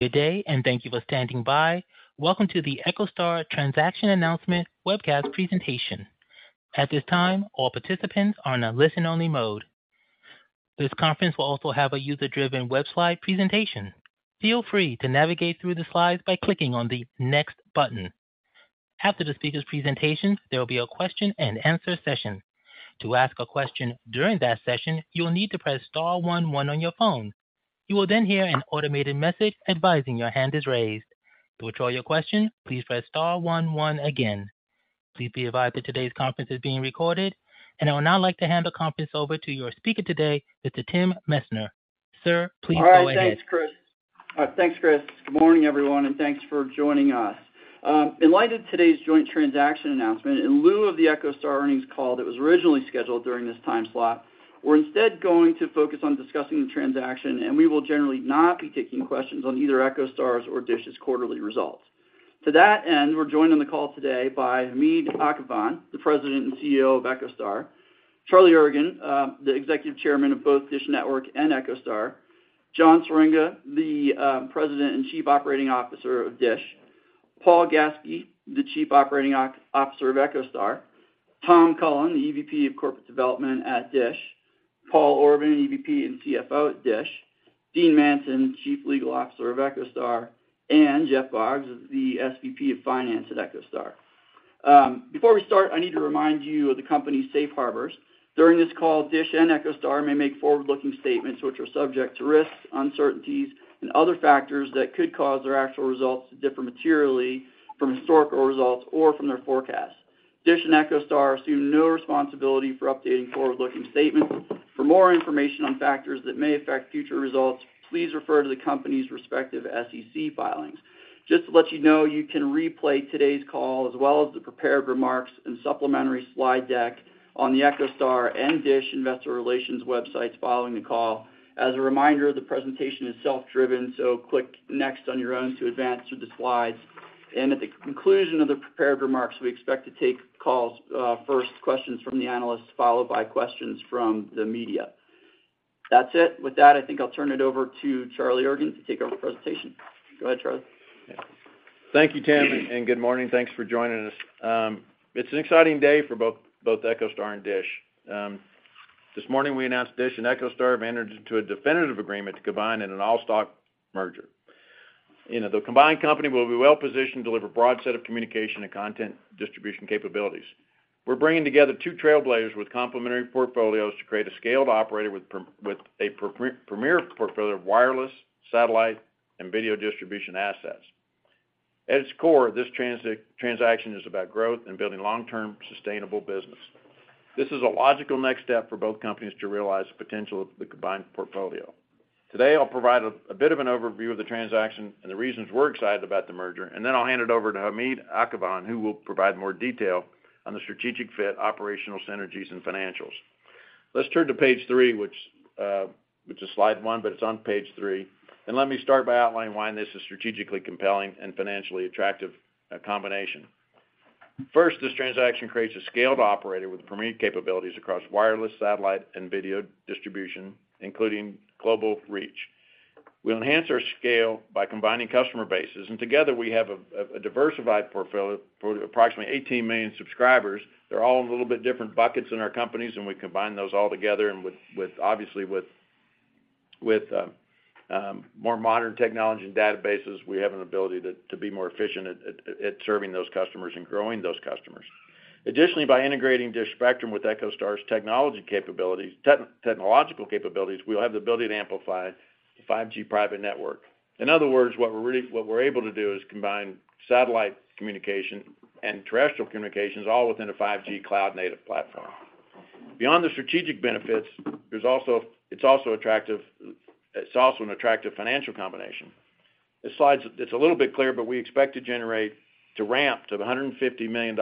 Good day. Thank you for standing by. Welcome to the EchoStar Transaction Announcement webcast presentation. At this time, all participants are on a listen-only mode. This conference will also have a user-driven web slide presentation. Feel free to navigate through the slides by clicking on the Next button. After the speakers' presentations, there will be a question-and-answer session. To ask a question during that session, you will need to press star one one on your phone. You will hear an automated message advising your hand is raised. To withdraw your question, please press star one one again. Please be advised that today's conference is being recorded. I would now like to hand the conference over to your speaker today, Mr. Tim Messner. Sir, please go ahead. All right. Thanks, Chris. Thanks, Chris. Good morning, everyone, and thanks for joining us. In light of today's joint transaction announcement, in lieu of the EchoStar earnings call that was originally scheduled during this time slot, we're instead going to focus on discussing the transaction, and we will generally not be taking questions on either EchoStar's or DISH's quarterly results. To that end, we're joined on the call today by Hamid Akhavan, the President and CEO of EchoStar, Charlie Ergen, the Executive Chairman of both DISH Network and EchoStar, John Swieringa, the President and Chief Operating Officer of DISH, Paul Gaski, the Chief Operating Officer of EchoStar, Tom Cullen, the EVP of Corporate Development at DISH, Paul Orban, EVP and CFO at DISH, Dean Manson, Chief Legal Officer of EchoStar, and Jeff Boggs, the SVP of Finance at EchoStar. Before we start, I need to remind you of the company's safe harbors. During this call, DISH and EchoStar may make forward-looking statements which are subject to risks, uncertainties, and other factors that could cause their actual results to differ materially from historical results or from their forecasts. DISH and EchoStar assume no responsibility for updating forward-looking statements. For more information on factors that may affect future results, please refer to the company's respective SEC filings. Just to let you know, you can replay today's call as well as the prepared remarks and supplementary slide deck on the EchoStar and DISH Investor Relations websites following the call. As a reminder, the presentation is self-driven, so click Next on your own to advance through the slides. At the conclusion of the prepared remarks, we expect to take calls, first questions from the analysts, followed by questions from the media. That's it. With that, I think I'll turn it over to Charlie Ergen to take over the presentation. Go ahead, Charlie. Thank you, Tim, and good morning. Thanks for joining us. It's an exciting day for both EchoStar and DISH. This morning, we announced DISH and EchoStar have entered into a definitive agreement to combine in an all-stock merger. You know, the combined company will be well-positioned to deliver a broad set of communication and content distribution capabilities. We're bringing together two trailblazers with complementary portfolios to create a scaled operator with a premier portfolio of wireless, satellite, and video distribution assets. At its core, this transaction is about growth and building long-term, sustainable business. This is a logical next step for both companies to realize the potential of the combined portfolio. Today, I'll provide a bit of an overview of the transaction and the reasons we're excited about the merger, and then I'll hand it over to Hamid Akhavan, who will provide more detail on the strategic fit, operational synergies, and financials. Let's turn to page three, which is Slide One, but it's on page three. Let me start by outlining why this is strategically compelling and financially attractive combination. First, this transaction creates a scaled operator with premier capabilities across wireless, satellite, and video distribution, including global reach. We'll enhance our scale by combining customer bases, and together we have a diversified portfolio for approximately 18 million subscribers. They're all in a little bit different buckets in our companies, and we combine those all together. With, with obviously, with, with more modern technology and databases, we have an ability to, to be more efficient at, at, at serving those customers and growing those customers. Additionally, by integrating DISH Spectrum with EchoStar's technology capabilities, technological capabilities, we'll have the ability to amplify the 5G private network. In other words, what we're really what we're able to do is combine satellite communication and terrestrial communications all within a 5G cloud-native platform. Beyond the strategic benefits, there's also it's also attractive it's also an attractive financial combination. The slide's, it's a little bit clear, but we expect to generate to ramp to $150 million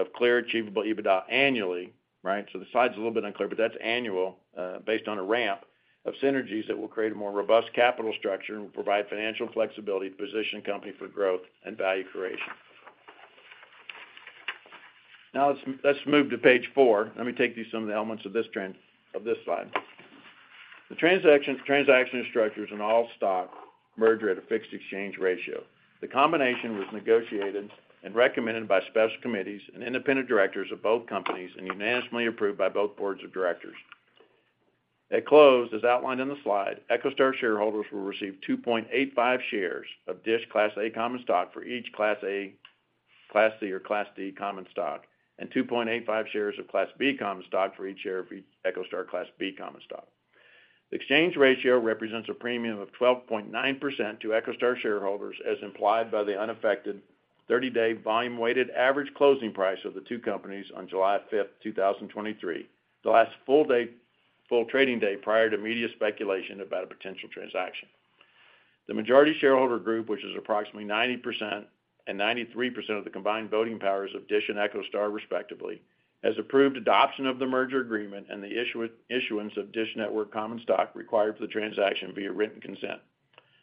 of clear, achievable EBITDA annually, right? The slide's a little bit unclear, but that's annual, based on a ramp of synergies that will create a more robust capital structure and provide financial flexibility to position the company for growth and value creation. Let's, let's move to page four. Let me take you through some of the elements of this trend, of this slide. The transaction, transaction structure is an all-stock merger at a fixed exchange ratio. The combination was negotiated and recommended by special committees and independent directors of both companies and unanimously approved by both boards of directors. At close, as outlined in the slide, EchoStar shareholders will receive 2.85 shares of DISH Class A common stock for each Class A, Class C, or Class D common stock, and 2.85 shares of Class B common stock for each share of each EchoStar Class B common stock. The exchange ratio represents a premium of 12.9% to EchoStar shareholders, as implied by the unaffected 30-day volume-weighted average closing price of the two companies on July 5th, 2023, the last full trading day prior to media speculation about a potential transaction. The majority shareholder group, which is approximately 90% and 93% of the combined voting powers of DISH and EchoStar, respectively, has approved adoption of the merger agreement and the issuance of DISH Network common stock required for the transaction via written consent.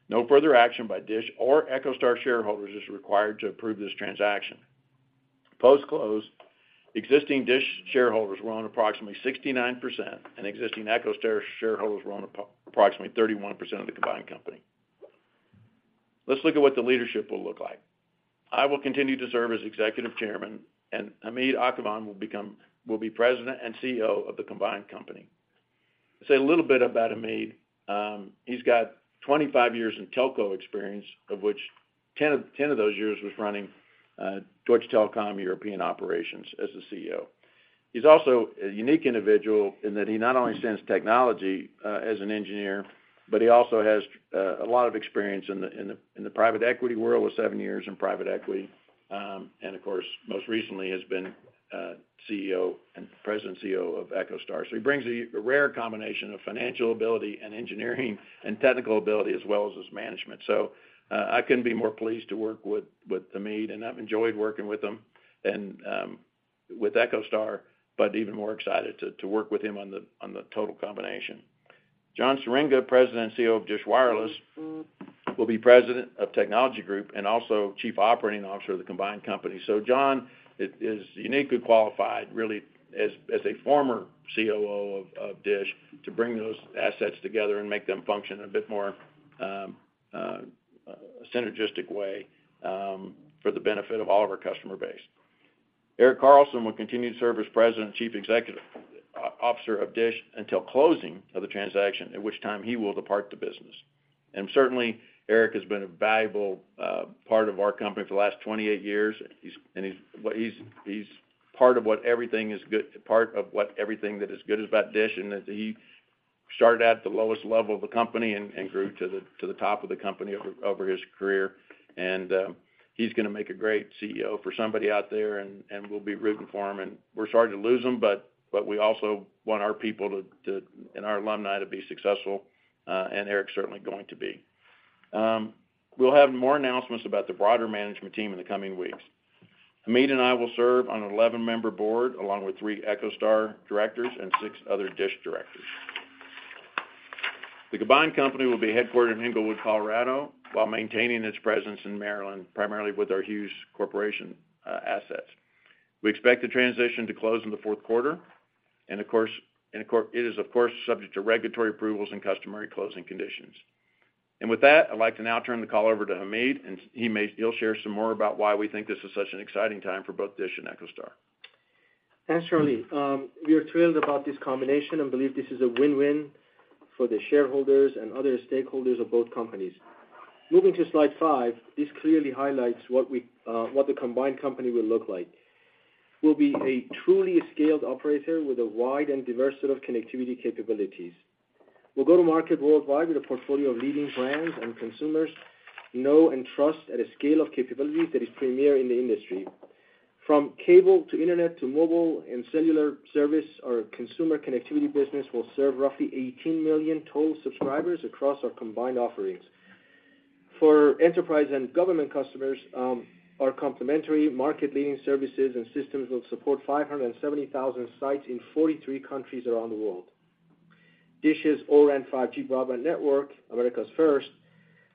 No further action by DISH or EchoStar shareholders is required to approve this transaction. Post-close, existing DISH shareholders will own approximately 69%, and existing EchoStar shareholders will own approximately 31% of the combined company. Let's look at what the leadership will look like. I will continue to serve as Executive Chairman. Hamid Akhavan will be President and CEO of the combined company. To say a little bit about Hamid, he's got 25 years in telco experience, of which 10 of those years was running Deutsche Telekom European operations as the CEO. He's also a unique individual in that he not only understands technology as an engineer, but he also has a lot of experience in the private equity world, with seven years in private equity. Of course, most recently has been CEO and President CEO of EchoStar. He brings a rare combination of financial ability and engineering and technical ability, as well as management. I couldn't be more pleased to work with, with Hamid, and I've enjoyed working with him and, with EchoStar, but even more excited to, to work with him on the, on the total combination. John Swieringa, President and COO of DISH Wireless, will be President of Technology Group and also Chief Operating Officer of the combined company. John is, is uniquely qualified, really, as, as a former COO of, of DISH, to bring those assets together and make them function in a bit more, synergistic way, for the benefit of all of our customer base. Erik Carlson will continue to serve as President and Chief Executive Officer of DISH until closing of the transaction, at which time he will depart the business. Certainly, Eric has been a valuable part of our company for the last 28 years. He's part of what everything that is good is about DISH. He started at the lowest level of the company and grew to the top of the company over his career. He's gonna make a great CEO for somebody out there, and we'll be rooting for him. We're sorry to lose him, but we also want our people to. Our alumni to be successful, and Eric's certainly going to be. We'll have more announcements about the broader management team in the coming weeks. Hamid and I will serve on an 11-member board, along with three EchoStar directors and six other DISH directors. The combined company will be headquartered in Englewood, Colorado, while maintaining its presence in Maryland, primarily with our Hughes Corporation assets. We expect the transition to close in the fourth quarter, and of course, it is, of course, subject to regulatory approvals and customary closing conditions. With that, I'd like to now turn the call over to Hamid, and he'll share some more about why we think this is such an exciting time for both DISH and EchoStar. Thanks, Charlie. We are thrilled about this combination and believe this is a win-win for the shareholders and other stakeholders of both companies. Moving to Slide Five, this clearly highlights what we, what the combined company will look like. We'll be a truly scaled operator with a wide and diverse set of connectivity capabilities. We'll go to market worldwide with a portfolio of leading brands and consumers know and trust at a scale of capabilities that is premier in the industry. From cable, to internet, to mobile and cellular service, our consumer connectivity business will serve roughly 18 million total subscribers across our combined offerings. For enterprise and government customers, our complementary market-leading services and systems will support 570,000 sites in 43 countries around the world. DISH's O-RAN 5G broadband network, America's first,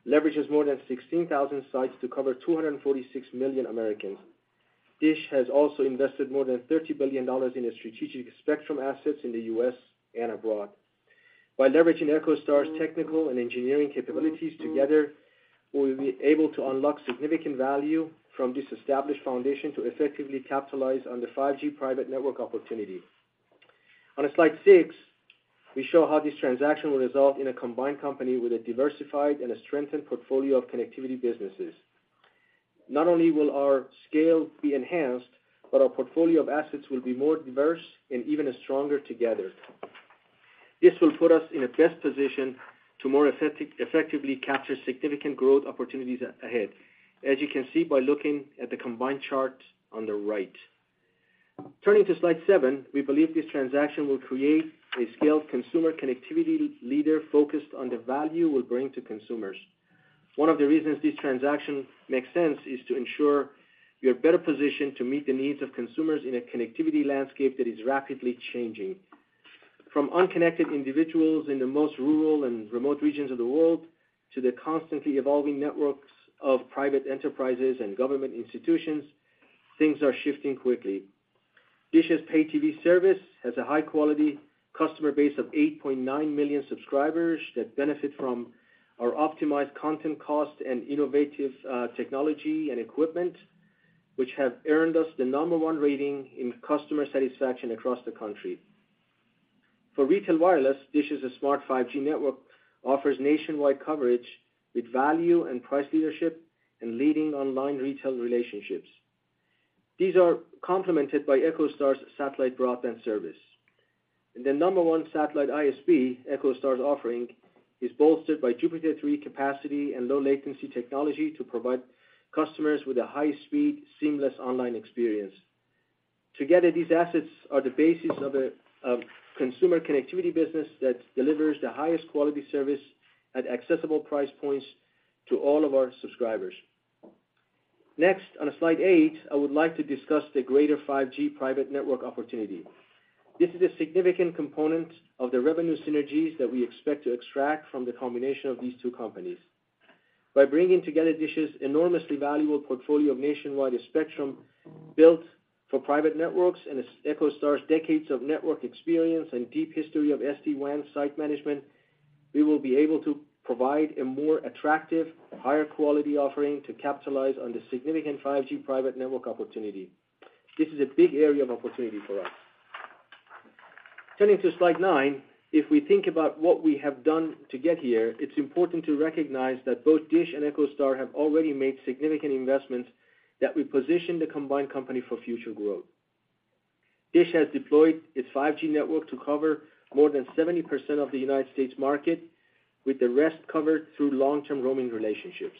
leverages more than 16,000 sites to cover 246 million Americans. DISH has also invested more than $30 billion in its strategic spectrum assets in the U.S. and abroad. By leveraging EchoStar's technical and engineering capabilities together, we will be able to unlock significant value from this established foundation to effectively capitalize on the 5G private network opportunity. On Slide Six, we show how this transaction will result in a combined company with a diversified and a strengthened portfolio of connectivity businesses. Not only will our scale be enhanced, but our portfolio of assets will be more diverse and even stronger together. This will put us in a best position to effectively capture significant growth opportunities ahead, as you can see by looking at the combined chart on the right. Turning to Slide Seven, we believe this transaction will create a scaled consumer connectivity leader focused on the value we'll bring to consumers. One of the reasons this transaction makes sense is to ensure we are better positioned to meet the needs of consumers in a connectivity landscape that is rapidly changing. From unconnected individuals in the most rural and remote regions of the world, to the constantly evolving networks of private enterprises and government institutions, things are shifting quickly. DISH's pay TV service has a high-quality customer base of 8.9 million subscribers that benefit from our optimized content cost and innovative technology and equipment, which have earned us the number one rating in customer satisfaction across the country. For retail wireless, DISH's a smart 5G network, offers nationwide coverage with value and price leadership and leading online retail relationships. These are complemented by EchoStar's satellite broadband service. The number one satellite ISP, EchoStar's offering, is bolstered by Jupiter-3 capacity and low latency technology to provide customers with a high-speed, seamless online experience. Together, these assets are the basis of consumer connectivity business that delivers the highest quality service at accessible price points to all of our subscribers. On Slide Eight, I would like to discuss the greater 5G private network opportunity. This is a significant component of the revenue synergies that we expect to extract from the combination of these two companies. By bringing together DISH's enormously valuable portfolio of nationwide spectrum built for private networks and EchoStar's decades of network experience and deep history of SD-WAN site management, we will be able to provide a more attractive, higher quality offering to capitalize on the significant 5G private network opportunity. This is a big area of opportunity for us. Turning to Slide Nine, if we think about what we have done to get here, it's important to recognize that both DISH and EchoStar have already made significant investments that will position the combined company for future growth. DISH has deployed its 5G network to cover more than 70% of the United States market, with the rest covered through long-term roaming relationships.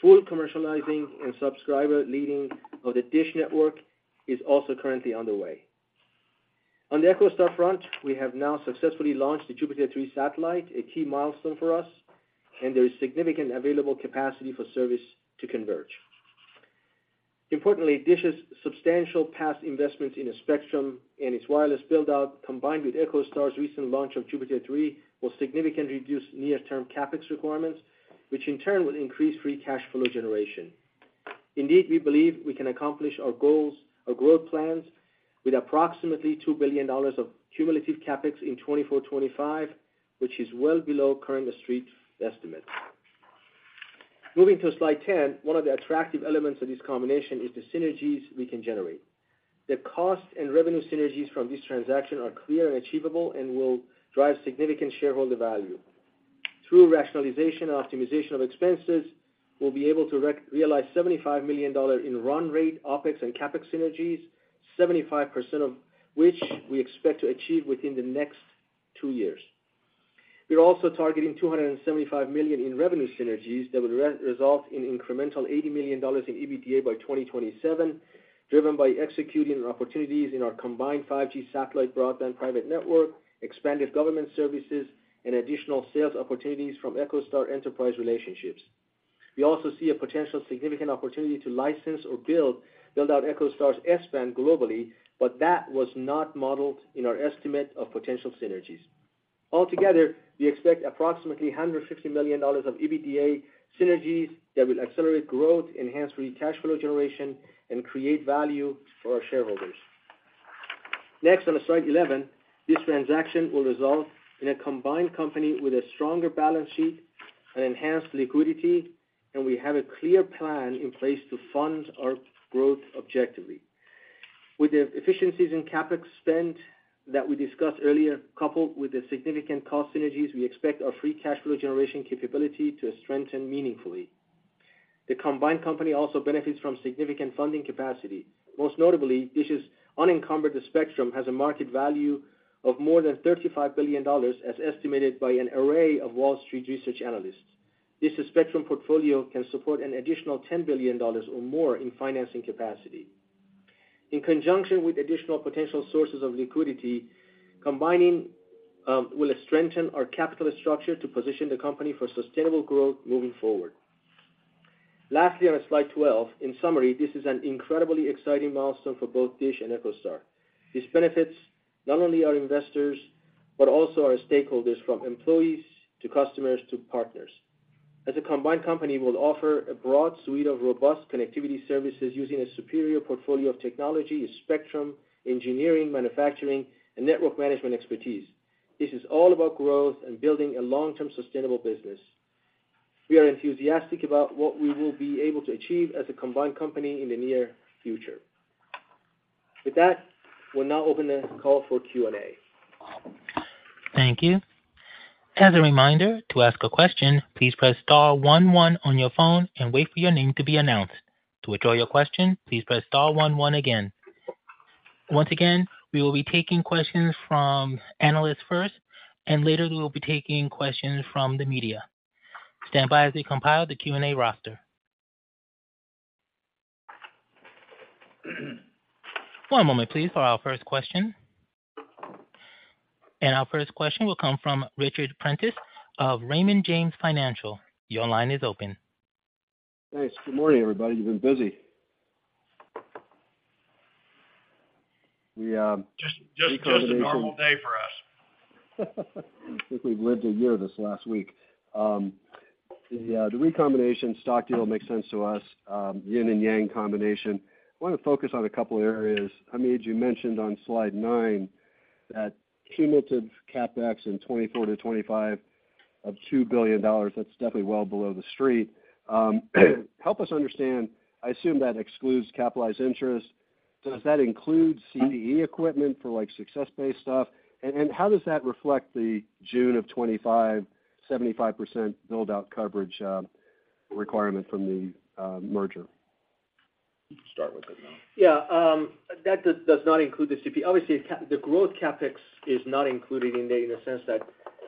Full commercializing and subscriber leading of the DISH Network is also currently underway. On the EchoStar front, we have now successfully launched the Jupiter-3 satellite, a key milestone for us, and there is significant available capacity for service to converge. Importantly, DISH's substantial past investments in its spectrum and its wireless build-out, combined with EchoStar's recent launch of Jupiter-3, will significantly reduce near-term CapEx requirements, which in turn will increase free cash flow generation. Indeed, we believe we can accomplish our goals, our growth plans, with approximately $2 billion of cumulative CapEx in 2024, 2025, which is well below current Street estimates. Moving to Slide 10, one of the attractive elements of this combination is the synergies we can generate. The cost and revenue synergies from this transaction are clear and achievable and will drive significant shareholder value. Through rationalization and optimization of expenses, we'll be able to realize $75 million in run rate, OpEx and CapEx synergies, 75% of which we expect to achieve within the next two years. We're also targeting $275 million in revenue synergies that would result in incremental $80 million in EBITDA by 2027, driven by executing opportunities in our combined 5G satellite broadband private network, expanded government services, and additional sales opportunities from EchoStar enterprise relationships. We also see a potential significant opportunity to license or build, build out EchoStar's S-band globally. That was not modeled in our estimate of potential synergies. Altogether, we expect approximately $150 million of EBITDA synergies that will accelerate growth, enhance free cash flow generation, and create value for our shareholders. Next, on Slide 11, this transaction will result in a combined company with a stronger balance sheet and enhanced liquidity, and we have a clear plan in place to fund our growth objectively. With the efficiencies in CapEx spend that we discussed earlier, coupled with the significant cost synergies, we expect our free cash flow generation capability to strengthen meaningfully. The combined company also benefits from significant funding capacity. Most notably, DISH's unencumbered spectrum has a market value of more than $35 billion, as estimated by an array of Wall Street research analysts. This spectrum portfolio can support an additional $10 billion or more in financing capacity. In conjunction with additional potential sources of liquidity, combining will strengthen our capital structure to position the company for sustainable growth moving forward. Lastly, on Slide 12, in summary, this is an incredibly exciting milestone for both DISH and EchoStar. This benefits not only our investors, but also our stakeholders, from employees to customers to partners. As a combined company, we'll offer a broad suite of robust connectivity services using a superior portfolio of technology, spectrum, engineering, manufacturing, and network management expertise. This is all about growth and building a long-term sustainable business. We are enthusiastic about what we will be able to achieve as a combined company in the near future. With that, we'll now open the call for Q&A. Thank you. As a reminder, to ask a question, please press star one, one on your phone and wait for your name to be announced. To withdraw your question, please press star one, one again. Once again, we will be taking questions from analysts first, and later we will be taking questions from the media. Stand by as we compile the Q&A roster. One moment, please, for our first question. Our first question will come from Ric Prentiss of Raymond James Financial. Your line is open. Thanks. Good morning, everybody. You've been busy. We. Just, just, just a normal day for us. I think we've lived a year this last week. The recombination stock deal makes sense to us, yin and yang combination. I want to focus on a couple of areas. Hamid, you mentioned on Slide Nine that cumulative CapEx in 2024-2025 of $2 billion, that's definitely well below the Street. Help us understand. I assume that excludes capitalized interest. Does that include CDE equipment for, like, success-based stuff? How does that reflect the June 2025 75% build-out coverage requirement from the merger? Start with it, man. Yeah, that does not include the CP. Obviously, the growth CapEx is not included in there in the sense that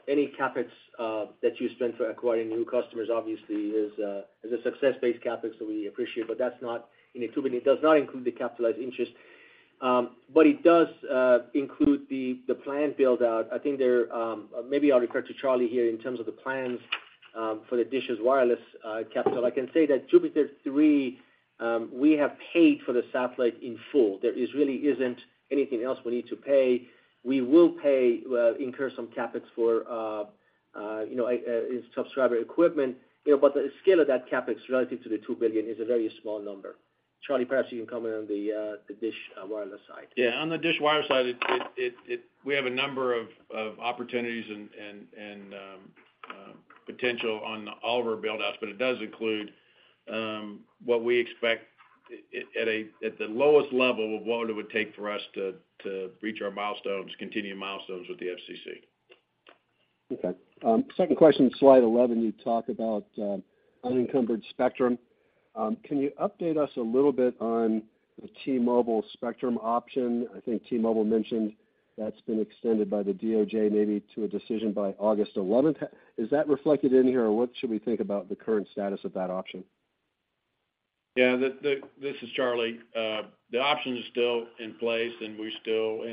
any CapEx that you spend for acquiring new customers obviously is, is a success-based CapEx that we appreciate, but that's not included. It does not include the capitalized interest, but it does include the plan build-out. I think there, maybe I'll refer to Charlie here in terms of the plans for the DISH's wireless capital. I can say that Jupiter-3. We have paid for the satellite in full. There is really isn't anything else we need to pay. We will pay, incur some CapEx for, you know, a subscriber equipment, you know, but the scale of that CapEx relative to the $2 billion is a very small number. Charlie, perhaps you can comment on the, the DISH Wireless side. Yeah, on the DISH Wireless side, it, it, it, we have a number of opportunities and, and, and potential on all of our buildouts, but it does include what we expect at the lowest level of what it would take for us to, to reach our milestones, continuing milestones with the FCC. Okay, second question, Slide 11, you talk about unencumbered spectrum. Can you update us a little bit on the T-Mobile spectrum option? I think T-Mobile mentioned that's been extended by the DOJ, maybe to a decision by August 11th. Is that reflected in here, or what should we think about the current status of that option? Yeah, this is Charlie. The option is still in place, we still.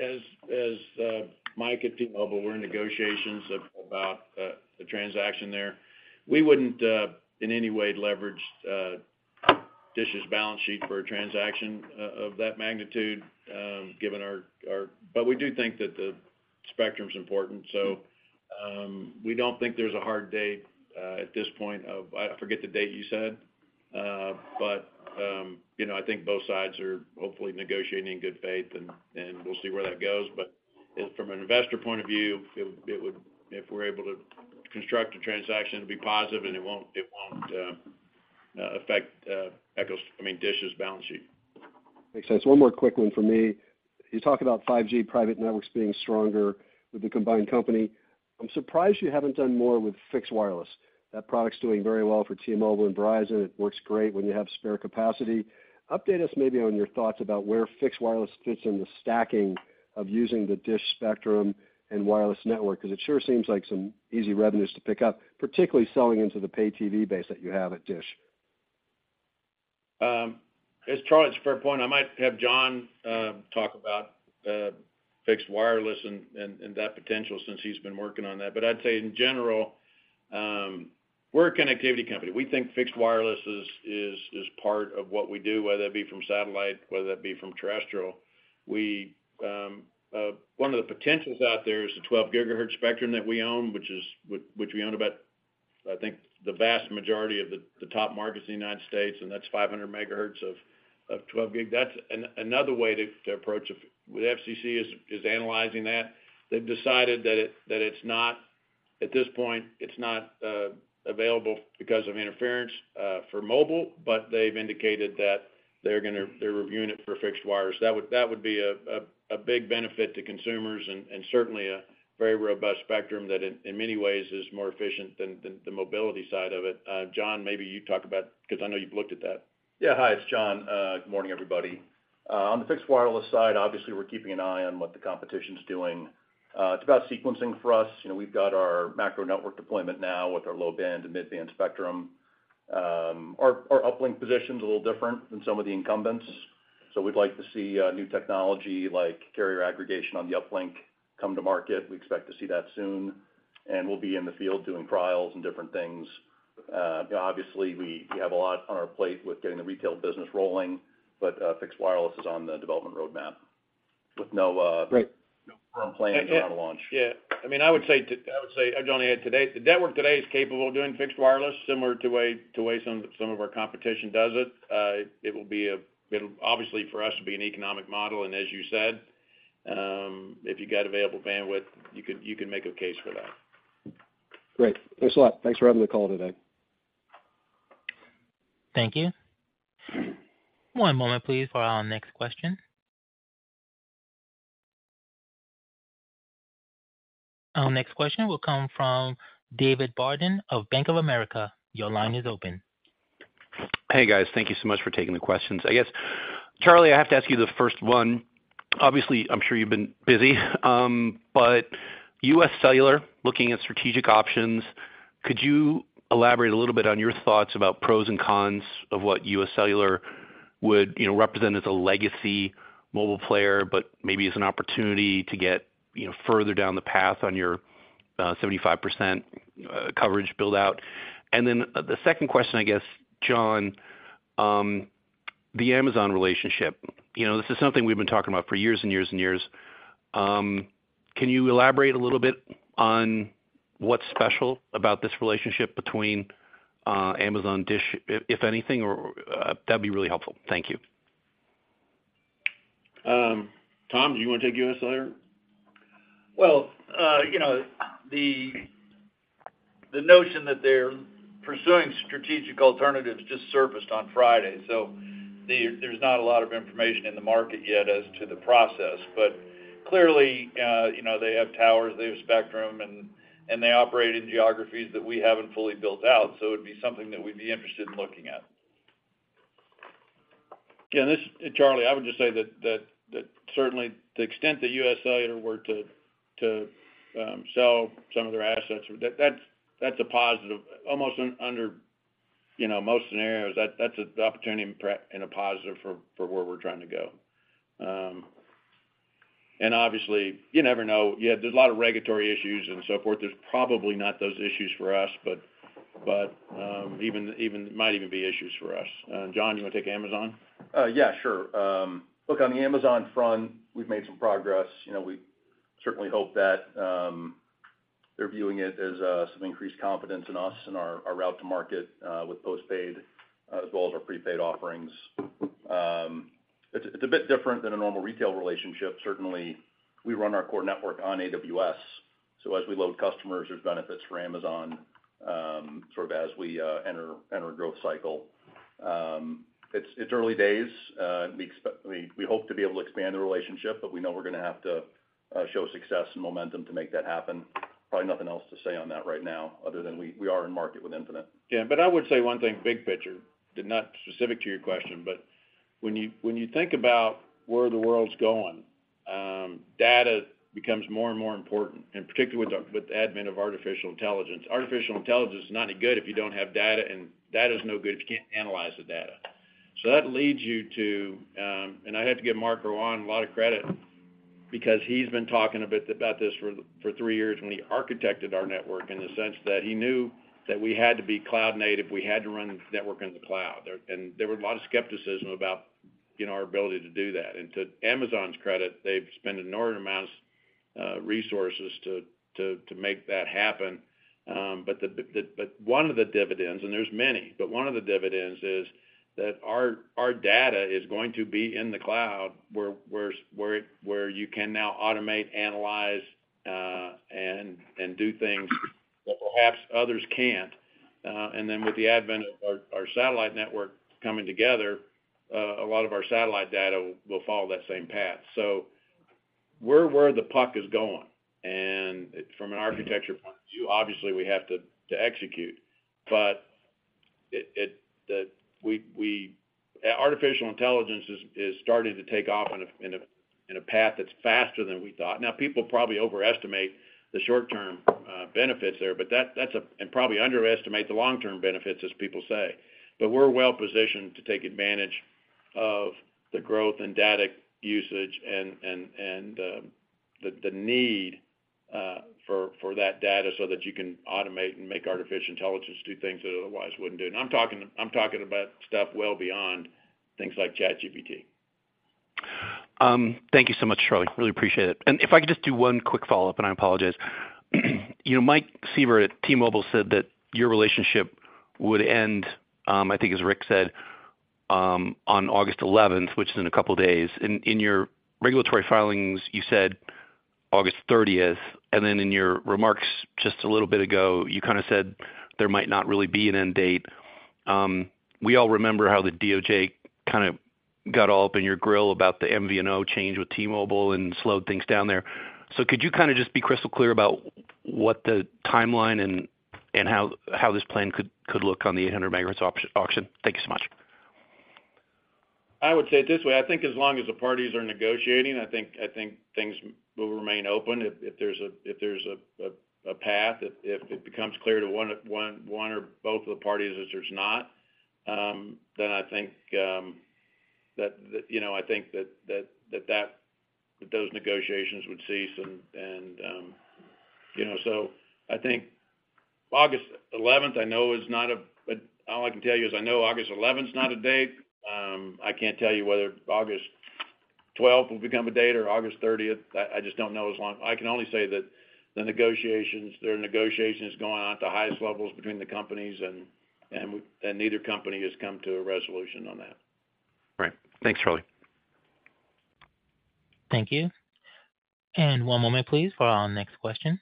As, as Mike at T-Mobile, we're in negotiations about the transaction there. We wouldn't in any way leverage DISH's balance sheet for a transaction of that magnitude, given our. We do think that the spectrum's important. We don't think there's a hard date at this point of, I forget the date you said. You know, I think both sides are hopefully negotiating in good faith, and we'll see where that goes. From an investor point of view, it would, it would if we're able to construct a transaction, it'd be positive, and it won't, it won't affect Echo's, I mean, DISH's balance sheet. Makes sense. One more quick one for me. You talk about 5G private networks being stronger with the combined company. I'm surprised you haven't done more with fixed wireless. That product's doing very well for T-Mobile and Verizon. It works great when you have spare capacity. Update us maybe on your thoughts about where fixed wireless fits in the stacking of using the DISH spectrum and wireless network, because it sure seems like some easy revenues to pick up, particularly selling into the pay TV base that you have at DISH. It's Charlie, it's a fair point. I might have John talk about fixed wireless and, and, and that potential since he's been working on that. I'd say in general, we're a connectivity company. We think fixed wireless is, is, is part of what we do, whether it be from satellite, whether that be from terrestrial. We, one of the potentials out there is the 12 GHz spectrum that we own, which is, which we own about, I think, the vast majority of the top markets in the United States, and that's 500 MHz of 12 GHz. That's another way to approach it. The FCC is analyzing that. They've decided that it, that it's not, at this point, it's not, available because of interference, for mobile, but they've indicated that they're reviewing it for fixed wireless. That would, that would be a, a, a big benefit to consumers and, and certainly a very robust spectrum that in, in many ways is more efficient than, than the mobility side of it. John, maybe you talk about, because I know you've looked at that. Yeah. Hi, it's John. Good morning, everybody. On the fixed wireless side, obviously, we're keeping an eye on what the competition's doing. It's about sequencing for us. You know, we've got our macro network deployment now with our low band and mid-band spectrum. Our, our uplink position's a little different than some of the incumbents. We'd like to see new technology like carrier aggregation on the uplink come to market. We expect to see that soon, we'll be in the field doing trials and different things. Obviously, we, we have a lot on our plate with getting the retail business rolling, fixed wireless is on the development roadmap with no Great. No firm plan on launch. Yeah. I mean, I would say I would say, John, today, the network today is capable of doing fixed wireless, similar to way, to way some, some of our competition does it. It will be it'll obviously, for us, be an economic model, and as you said, if you got available bandwidth, you can, you can make a case for that. Great. Thanks a lot. Thanks for having the call today. Thank you. One moment, please, for our next question. Our next question will come from David Barden of Bank of America. Your line is open. Hey, guys. Thank you so much for taking the questions. I guess, Charlie, I have to ask you the first one. Obviously, I'm sure you've been busy, but U.S. Cellular looking at strategic options, could you elaborate a little bit on your thoughts about pros and cons of what U.S. Cellular would, you know, represent as a legacy mobile player, but maybe as an opportunity to get, you know, further down the path on your 75% coverage buildout? Then the second question, I guess, John, the Amazon relationship. You know, this is something we've been talking about for years and years and years. Can you elaborate a little bit on what's special about this relationship between Amazon, DISH, if, if anything, or that'd be really helpful. Thank you. Tom, do you want to take U.S. Cellular? Well, you know, the, the notion that they're pursuing strategic alternatives just surfaced on Friday, so there, there's not a lot of information in the market yet as to the process. Clearly, you know, they have towers, they have spectrum, and, and they operate in geographies that we haven't fully built out. It'd be something that we'd be interested in looking at. Yeah, Charlie, I would just say that certainly, the extent that U.S. Cellular were to sell some of their assets, that's, that's a positive. Almost under, you know, most scenarios, that's an opportunity and a positive for where we're trying to go. Obviously, you never know. Yeah, there's a lot of regulatory issues and so forth. There's probably not those issues for us, but even might even be issues for us. John, you want to take Amazon? Yeah, sure. Look, on the Amazon front, we've made some progress. You know, we certainly hope that they're viewing it as some increased confidence in us and our route to market with postpaid as well as our prepaid offerings. It's a bit different than a normal retail relationship. Certainly, we run our core network on AWS, so as we load customers, there's benefits for Amazon, sort of as we enter a growth cycle. It's early days. We hope to be able to expand the relationship, but we know we're going to have to show success and momentum to make that happen. Probably nothing else to say on that right now, other than we are in market with Infinite. Yeah, I would say one thing, big picture, and not specific to your question, but when you, when you think about where the world's going, data becomes more and more important, and particularly with the advent of artificial intelligence. Artificial intelligence is not any good if you don't have data, and data is no good if you can't analyze the data. That leads you to. I have to give Marc Rouanne a lot of credit because he's been talking a bit about this for three years when he architected our network, in the sense that he knew that we had to be cloud native, we had to run the network in the cloud. There was a lot of skepticism about, you know, our ability to do that. To Amazon's credit, they've spent an inordinate amount of resources to, to, to make that happen. One of the dividends, and there's many, but one of the dividends is that our, our data is going to be in the cloud, where you can now automate, analyze, and, and do things that perhaps others can't. With the advent of our, our satellite network coming together, a lot of our satellite data will follow that same path. We're where the puck is going, and from an architecture point of view, obviously, we have to, to execute. Artificial intelligence is, is starting to take off in a, in a, in a path that's faster than we thought. People probably overestimate the short-term benefits there, but that, and probably underestimate the long-term benefits, as people say. We're well positioned to take advantage of the growth in data usage and, and, and, the, the need for, for that data so that you can automate and make artificial intelligence do things that it otherwise wouldn't do. I'm talking, I'm talking about stuff well beyond things like ChatGPT. Thank you so much, Charlie. Really appreciate it. If I could just do one quick follow-up, and I apologize. You know, Mike Sievert at T-Mobile said that your relationship would end, I think as Ric said, on August 11th, which is in a couple of days. In your regulatory filings, you said August 30th, and then in your remarks just a little bit ago, you kind of said there might not really be an end date. We all remember how the DOJ kind of got all up in your grill about the MVNO change with T-Mobile and slowed things down there. Could you kind of just be crystal clear about what the timeline and, and how, how this plan could, could look on the 800 MHz auction? Thank you so much. I would say it this way: I think as long as the parties are negotiating, I think, I think things will remain open. If, if there's a, if there's a path, if, if it becomes clear to one, one, one or both of the parties that there's not, then I think. You know, I think that, that, that those negotiations would cease. You know, so I think August 11th, I know, is not a date. All I can tell you is, I know August 11th is not a date. I can't tell you whether August 12th will become a date or August 30th. I, I just don't know. I can only say that the negotiations, there are negotiations going on at the highest levels between the companies, and, and, and neither company has come to a resolution on that. Right. Thanks, Charlie. Thank you. One moment, please, for our next question.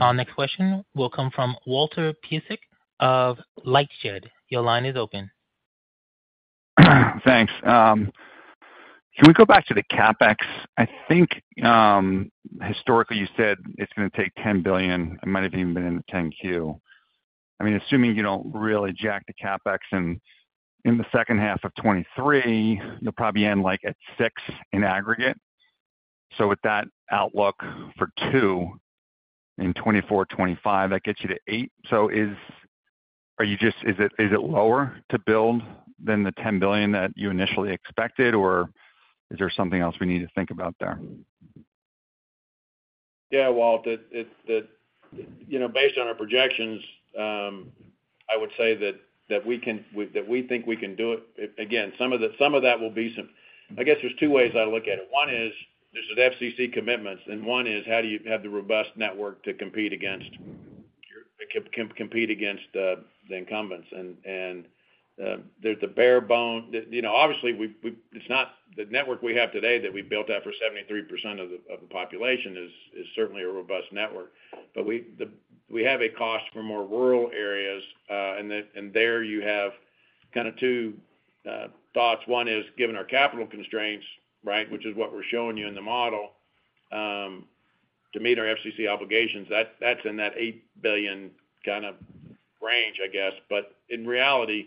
Our next question will come from Walter Piecyk of Lightshed. Your line is open. Thanks. Can we go back to the CapEx? I think, historically, you said it's going to take $10 billion. It might have even been in the 10-Q. I mean, assuming you don't really jack the CapEx in, in the second half of 2023, you'll probably end, like, at $6 billion in aggregate. With that outlook for $2 billion in 2024, 2025, that gets you to $8 billion. Are you just, is it, is it lower to build than the $10 billion that you initially expected, or is there something else we need to think about there? Yeah, Walt, it, you know, based on our projections, I would say that we, that we think we can do it. Again, some of that will be I guess there's two ways I look at it. One is, there's the FCC commitments, and one is, how do you have the robust network to compete against your compete against the incumbents? There's the bare bone. You know, obviously, we've, it's not the network we have today that we built out for 73% of the population is certainly a robust network. We have a cost for more rural areas. Then, there you have kind of two thoughts. One is, given our capital constraints, right, which is what we're showing you in the model, to meet our FCC obligations, that's, that's in that $8 billion kind of range, I guess. In reality,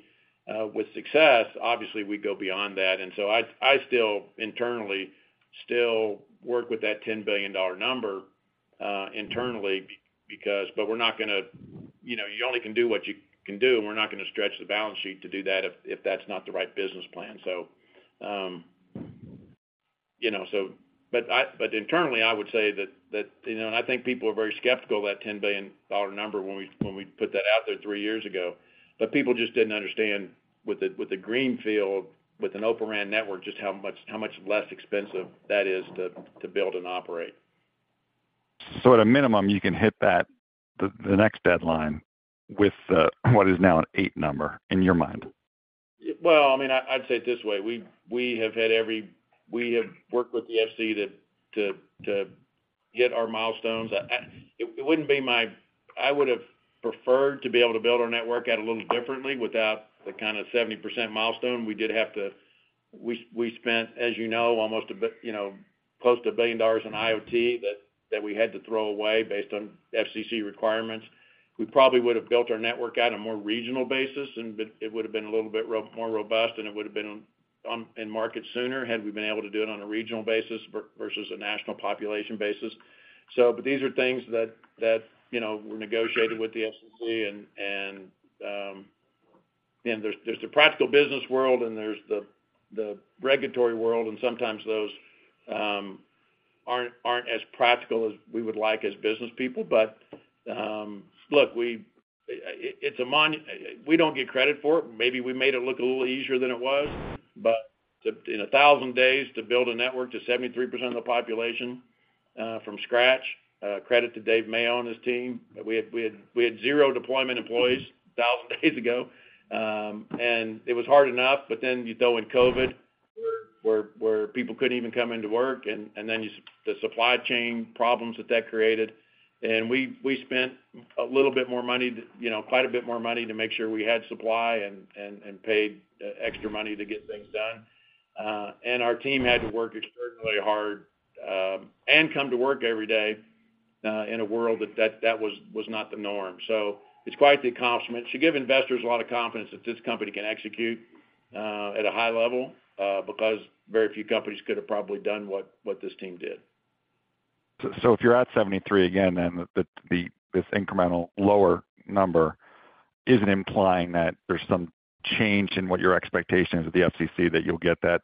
with success, obviously, we go beyond that. So I, I still internally still work with that $10 billion number. Internally because, but we're not gonna, you know, you only can do what you can do, and we're not gonna stretch the balance sheet to do that if, if that's not the right business plan. You know, but internally, I would say that, that, you know, and I think people are very skeptical of that $10 billion number when we, when we put that out there three years ago. People just didn't understand with the, with the greenfield, with an O-RAN network, just how much, how much less expensive that is to, to build and operate. At a minimum, you can hit that, the, the next deadline with, what is now an eight number, in your mind? Well, I mean, I'd say it this way: We, we have worked with the FCC to, to, to hit our milestones. I would have preferred to be able to build our network out a little differently without the kind of 70% milestone. We did have to we spent, as you know, close to $1 billion in IoT that, that we had to throw away based on FCC requirements. We probably would have built our network at a more regional basis, and but it would have been a little bit more robust, and it would have been on in market sooner, had we been able to do it on a regional basis versus a national population basis. But these are things that, that, you know, were negotiated with the FCC and, and there's, there's the practical business world, and there's the, the regulatory world, and sometimes those aren't, aren't as practical as we would like as business people. Look, we don't get credit for it. Maybe we made it look a little easier than it was, but to, in 1,000 days, to build a network to 73% of the population, from scratch, credit to Dave Mayo and his team. We had, we had, we had zero deployment employees 1,000 days ago, and it was hard enough, but then you throw in COVID, where, where, where people couldn't even come into work, and then you the supply chain problems that that created. We, we spent a little bit more money to, you know, quite a bit more money to make sure we had supply and, and, and paid extra money to get things done. Our team had to work extraordinarily hard and come to work every day in a world that that, that was, was not the norm. It's quite the accomplishment. It should give investors a lot of confidence that this company can execute at a high level because very few companies could have probably done what, what this team did. If you're at 73 again, then this incremental lower number isn't implying that there's some change in what your expectations of the FCC, that you'll get that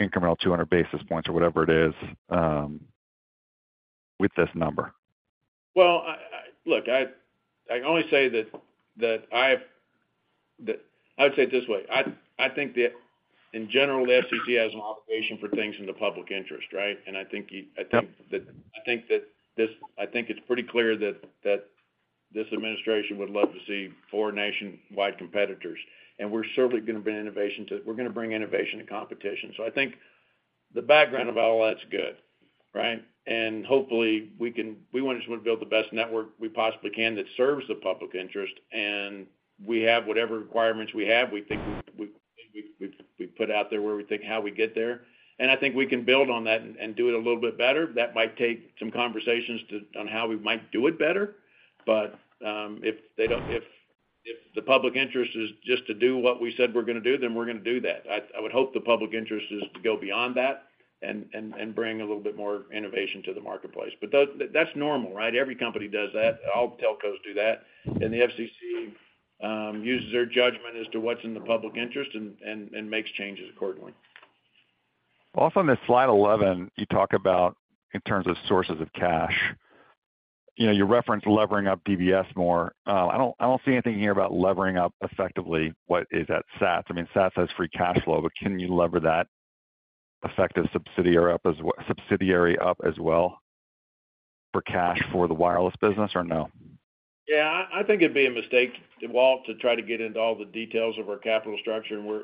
incremental 200 basis points or whatever it is, with this number? Well, I look, I can only say that I've I would say it this way: I think that in general, the FCC has an obligation for things in the public interest, right? I think you. Yep. I think it's pretty clear that, that this administration would love to see four nationwide competitors. We're certainly going to bring innovation to it. We're going to bring innovation and competition. I think the background of all that's good, right? Hopefully, we want to just build the best network we possibly can that serves the public interest, and we have whatever requirements we have. We think we, we, we've, we've put out there where we think how we get there, and I think we can build on that and, and do it a little bit better. That might take some conversations on how we might do it better. If they don't, if, if the public interest is just to do what we said we're gonna do, then we're gonna do that. I would hope the public interest is to go beyond that and bring a little bit more innovation to the marketplace. That, that's normal, right? Every company does that. All telcos do that. The FCC uses their judgment as to what's in the public interest and makes changes accordingly. On the Slide 11, you talk about in terms of sources of cash, you know, you reference levering up DBS more. I don't, I don't see anything here about levering up effectively what is at SAT. I mean, SAT has free cash flow, but can you lever that effective subsidiary up as well for cash for the wireless business, or no? Yeah, I, I think it'd be a mistake, Walt, to try to get into all the details of our capital structure and where.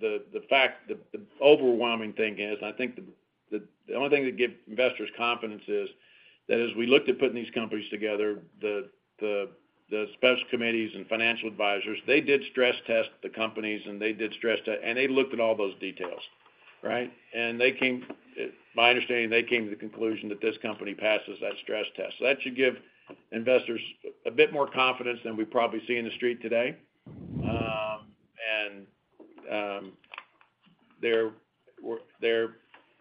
The fact, the overwhelming thing is, I think the only thing that give investors confidence is that as we looked at putting these companies together, the special committees and financial advisors, they did stress test the companies, and they did stress and they looked at all those details, right? They came, my understanding, they came to the conclusion that this company passes that stress test. That should give investors a bit more confidence than we probably see in the street today. There were,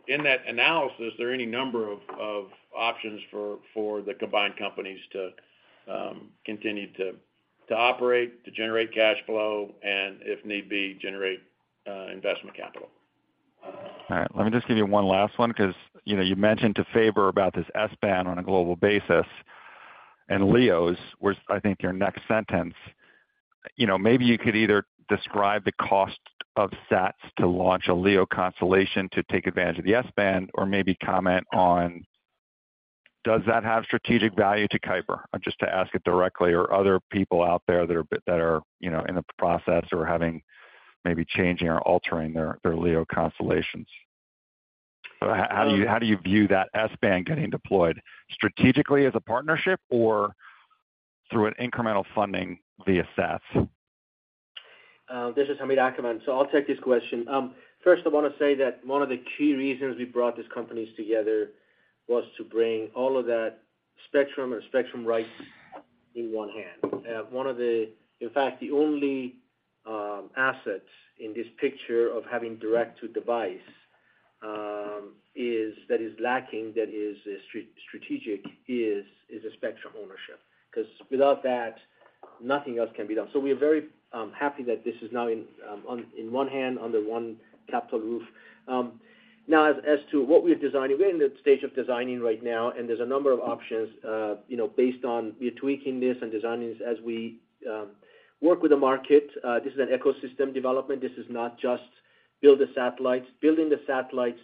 in that analysis, there are any number of options for the combined companies to continue to operate, to generate cash flow, and if need be, generate investment capital. All right, let me just give you one last one, because, you know, you mentioned to Faber about this S-band on a global basis, and LEOs was, I think, your next sentence. You know, maybe you could either describe the cost of SAT to launch a LEO constellation to take advantage of the S-band, or maybe comment on, does that have strategic value to Kuiper? Just to ask it directly, are other people out there that are that are, you know, in the process or maybe changing or altering their, their LEO constellations? How, how do you, how do you view that S-band getting deployed? Strategically as a partnership, or through an incremental funding via SAT? This is Hamid Akhavan. I'll take this question. First, I want to say that one of the key reasons we brought these companies together was to bring all of that spectrum and spectrum rights in one hand. One of the, in fact, the only assets in this picture of having direct to device is, that is lacking, that is strategic, is a spectrum ownership. Because without that, nothing else can be done. We are very happy that this is now in one hand, under one capital roof. Now as to what we're designing, we're in the stage of designing right now, and there's a number of options, you know, based on we're tweaking this and designing this as we work with the market. This is an ecosystem development. This is not just build the satellites. Building the satellites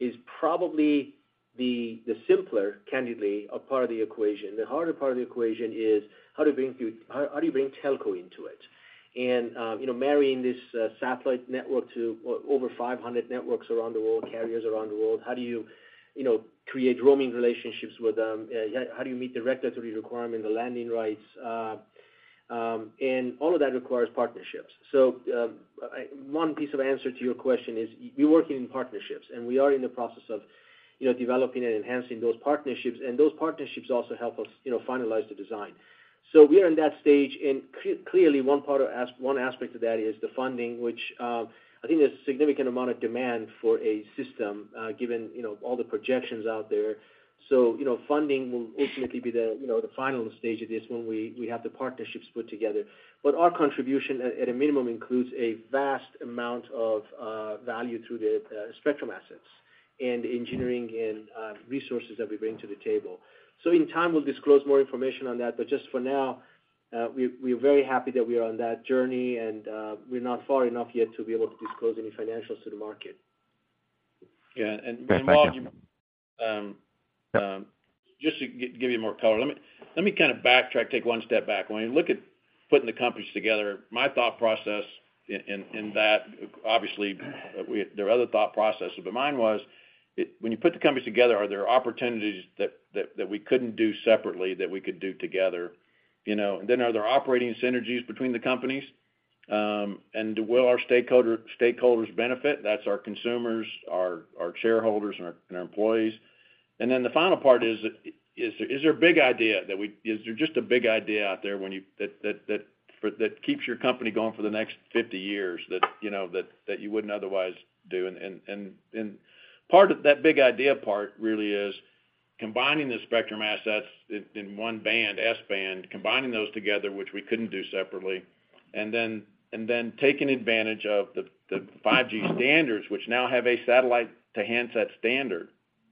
is probably the, the simpler, candidly, a part of the equation. The harder part of the equation is how do you bring how, how do you bring telco into it? you know, marrying this satellite network to over 500 networks around the world, carriers around the world, how do you, you know, create roaming relationships with them? how, how do you meet the regulatory requirement, the landing rights? all of that requires partnerships. I, one piece of answer to your question is we're working in partnerships, and we are in the process of, you know, developing and enhancing those partnerships. Those partnerships also help us, you know, finalize the design. We are in that stage, and clearly, one part of one aspect of that is the funding, which, I think there's a significant amount of demand for a system, given, you know, all the projections out there. You know, funding will ultimately be the, you know, the final stage of this when we, we have the partnerships put together. Our contribution at, at a minimum, includes a vast amount of value through the spectrum assets and engineering and resources that we bring to the table. In time, we'll disclose more information on that. Just for now, we, we're very happy that we are on that journey, and we're not far enough yet to be able to disclose any financials to the market. Yeah, while you, just to give you more color, let me kind of backtrack, take one step back. When you look at putting the companies together, my thought process in that, obviously, there are other thought processes, but mine was when you put the companies together, are there opportunities that we couldn't do separately, that we could do together, you know? Are there operating synergies between the companies? Will our stakeholders benefit? That's our consumers, our shareholders, and our employees. The final part is there just a big idea out there that keeps your company going for the next 50 years, you know, that you wouldn't otherwise do? Part of that big idea part really is combining the spectrum assets in, in one band, S-band, combining those together, which we couldn't do separately, and then taking advantage of the 5G standards, which now have a satellite-to-handset standard,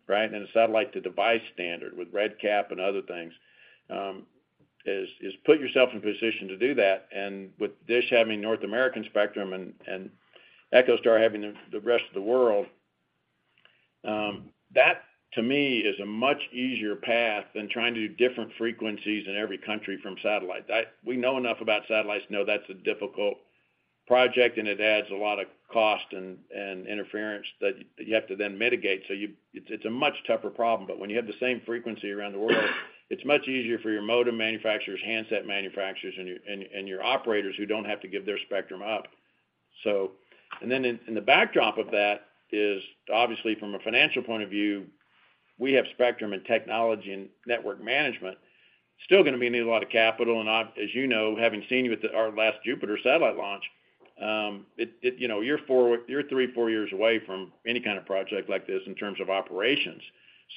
right? A satellite-to-device standard with Red Cap and other things, is put yourself in a position to do that. With DISH having North American spectrum and EchoStar having the rest of the world, that, to me, is a much easier path than trying to do different frequencies in every country from satellite. We know enough about satellites to know that's a difficult project, and it adds a lot of cost and interference that you have to then mitigate. It's a much tougher problem. When you have the same frequency around the world, it's much easier for your modem manufacturers, handset manufacturers, and your, and your operators, who don't have to give their spectrum up. And then in the backdrop of that is, obviously, from a financial point of view, we have spectrum and technology and network management. Still gonna be needing a lot of capital, and as you know, having seen you at our last Jupiter satellite launch, it, you know, you're four, you're three, four years away from any kind of project like this in terms of operations,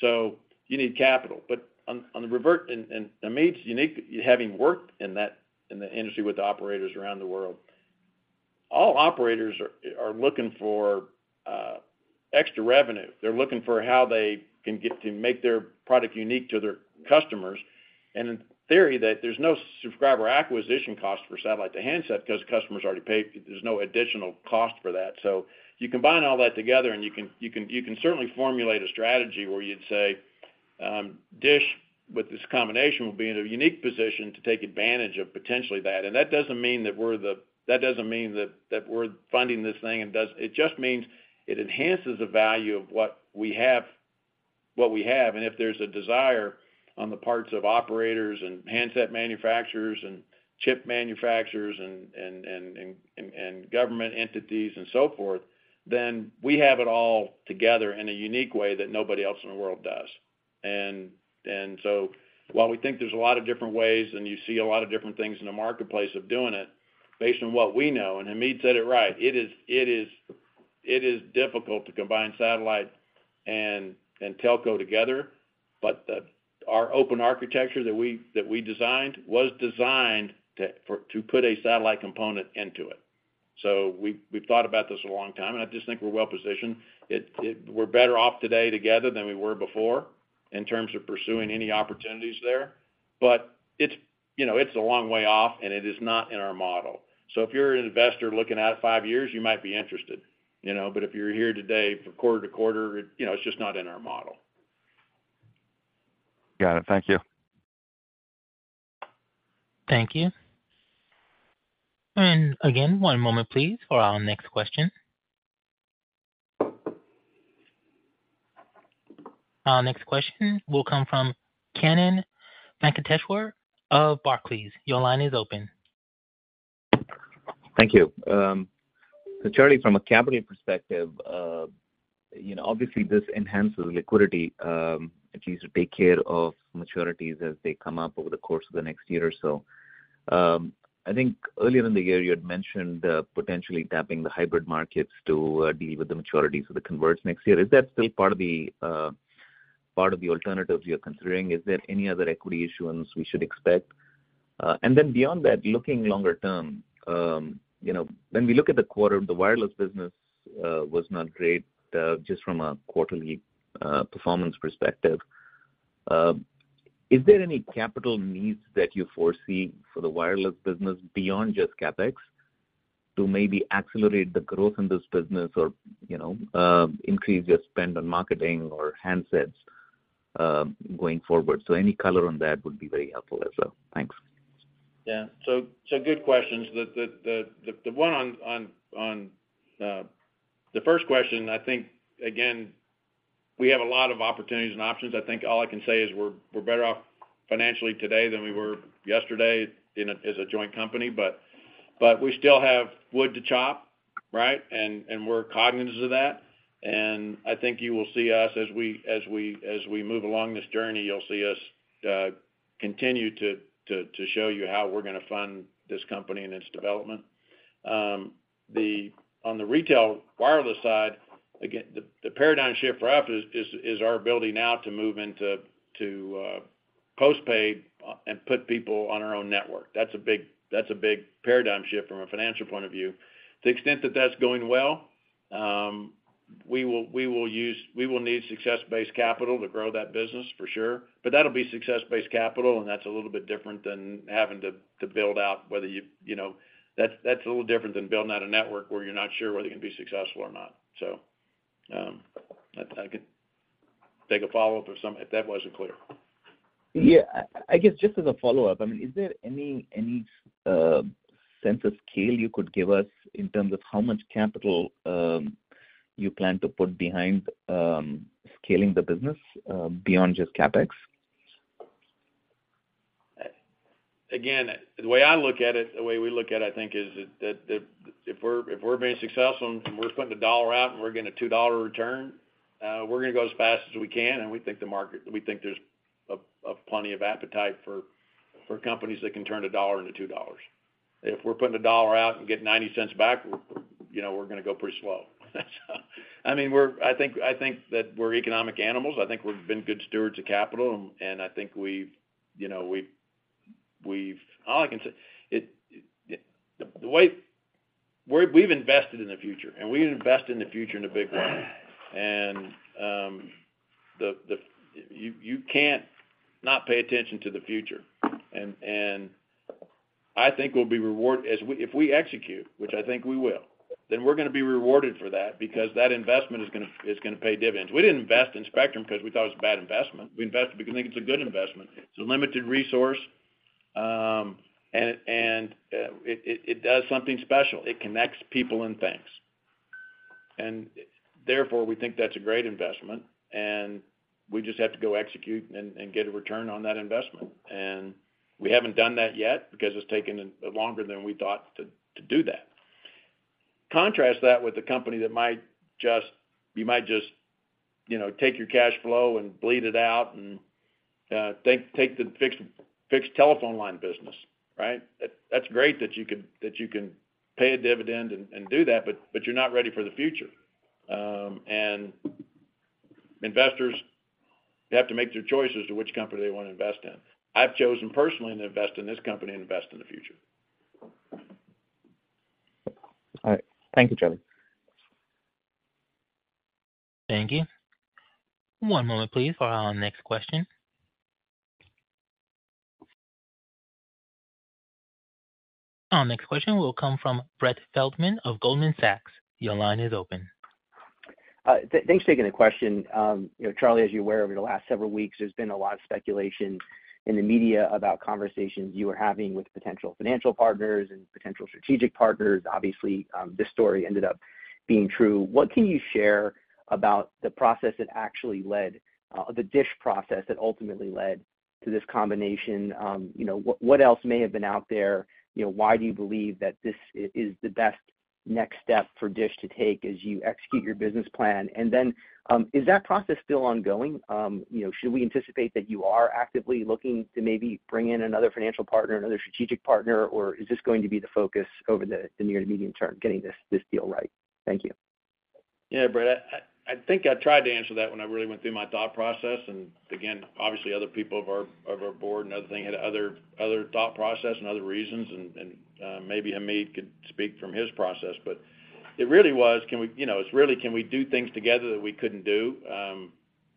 so you need capital. On the revert, and Hamid, you need, having worked in that, in the industry with the operators around the world, all operators are looking for extra revenue. They're looking for how they can get to make their product unique to their customers. In theory, that there's no subscriber acquisition cost for satellite to handset because customers already paid. There's no additional cost for that. You combine all that together, and you can certainly formulate a strategy where you'd say, DISH, with this combination, will be in a unique position to take advantage of potentially that. That doesn't mean that, that we're funding this thing. It just means it enhances the value of what we have, what we have. If there's a desire on the parts of operators and handset manufacturers and chip manufacturers and government entities and so forth, then we have it all together in a unique way that nobody else in the world does. While we think there's a lot of different ways, and you see a lot of different things in the marketplace of doing it, based on what we know, and Hamid said it right, it is, it is, it is difficult to combine satellite and telco together. Our open architecture that we, that we designed, was designed for, to put a satellite component into it. We, we've thought about this a long time. I just think we're well positioned. It, we're better off today together than we were before in terms of pursuing any opportunities there. It's, you know, it's a long way off, and it is not in our model. If you're an investor looking out at five years, you might be interested, you know. If you're here today for quarter-to-quarter, it, you know, it's just not in our model. Got it. Thank you. Thank you. Again, one moment please, for our next question. Our next question will come from Kannan Venkateshwar of Barclays. Your line is open. Thank you. Charlie, from a capital perspective, you know, obviously, this enhances liquidity, which you should take care of maturities as they come up over the course of the next year or so. I think earlier in the year, you had mentioned potentially tapping the hybrid markets to deal with the maturities of the converts next year. Is that still part of the part of the alternatives you're considering? Is there any other equity issuance we should expect? Then beyond that, looking longer term, you know, when we look at the quarter, the wireless business was not great, just from a quarterly performance perspective. Is there any capital needs that you foresee for the wireless business beyond just CapEx, to maybe accelerate the growth in this business or, you know, increase your spend on marketing or handsets, going forward? Any color on that would be very helpful as well. Thanks. So, so good questions. The, the, the, the one on, on, on, the first question, I think, again, we have a lot of opportunities and options. I think all I can say is we're, we're better off financially today than we were yesterday in a as a joint company, but, but we still have wood to chop, right? And, and we're cognizant of that. And I think you will see us as we, as we, as we move along this journey, you'll see us, continue to, to, to show you how we're going to fund this company and its development. On the retail wireless side, again, the, the paradigm shift for us is, is, is our ability now to move into, to, post-pay and put people on our own network. That's a big, that's a big paradigm shift from a financial point of view. To the extent that that's going well, we will need success-based capital to grow that business for sure, but that'll be success-based capital, and that's a little bit different than having to, to build out whether you, you know, that's, that's a little different than building out a network where you're not sure whether you're going to be successful or not. I, I could take a follow-up or something if that wasn't clear. Yeah, I, I guess just as a follow-up, I mean, is there any, any sense of scale you could give us in terms of how much capital you plan to put behind scaling the business beyond just CapEx? Again, the way I look at it, the way we look at it, I think, is that, that if we're, if we're being successful and we're putting $1 out and we're getting a $2 return, we're going to go as fast as we can, and we think there's a plenty of appetite for companies that can turn $1 into $2. If we're putting $1 out and get $0.90 back, you know, we're going to go pretty slow. I mean, I think, I think that we're economic animals. I think we've been good stewards of capital, and I think we've, you know, we've, we've. All I can say, we've, we've invested in the future, and we invest in the future in a big way. You, you can't not pay attention to the future. I think we'll be rewarded if we execute, which I think we will, then we're going to be rewarded for that because that investment is gonna pay dividends. We didn't invest in Spectrum because we thought it was a bad investment. We invested because we think it's a good investment. It's a limited resource, and it does something special. It connects people and things. Therefore, we think that's a great investment, and we just have to go execute and get a return on that investment. We haven't done that yet because it's taken longer than we thought to do that. Contrast that with a company that might just, you might just, you know, take your cash flow and bleed it out and, take, take the fixed, fixed telephone line business, right? That's great that you can, that you can pay a dividend and, and do that, but, but you're not ready for the future. Investors, they have to make their choices to which company they want to invest in. I've chosen personally to invest in this company and invest in the future. All right. Thank you, Charlie. Thank you. One moment, please, for our next question. Our next question will come from Brett Feldman of Goldman Sachs. Your line is open. Thanks for taking the question. You know, Charlie, as you're aware, over the last several weeks, there's been a lot of speculation in the media about conversations you were having with potential financial partners and potential strategic partners. Obviously, this story ended up being true. What can you share about the process that actually led, the DISH process that ultimately led to this combination? You know, what, what else may have been out there? You know, why do you believe that this i- is the best next step for DISH to take as you execute your business plan? And then, is that process still ongoing? You know, should we anticipate that you are actively looking to maybe bring in another financial partner, another strategic partner, or is this going to be the focus over the, the near to medium term, getting this, this deal right? Thank you. Yeah, Brett, I, I, I think I tried to answer that when I really went through my thought process. Again, obviously, other people of our, of our board and other thing had other, other thought process and other reasons, and, and maybe Hamid could speak from his process. It really was, can we, you know, it's really, can we do things together that we couldn't do?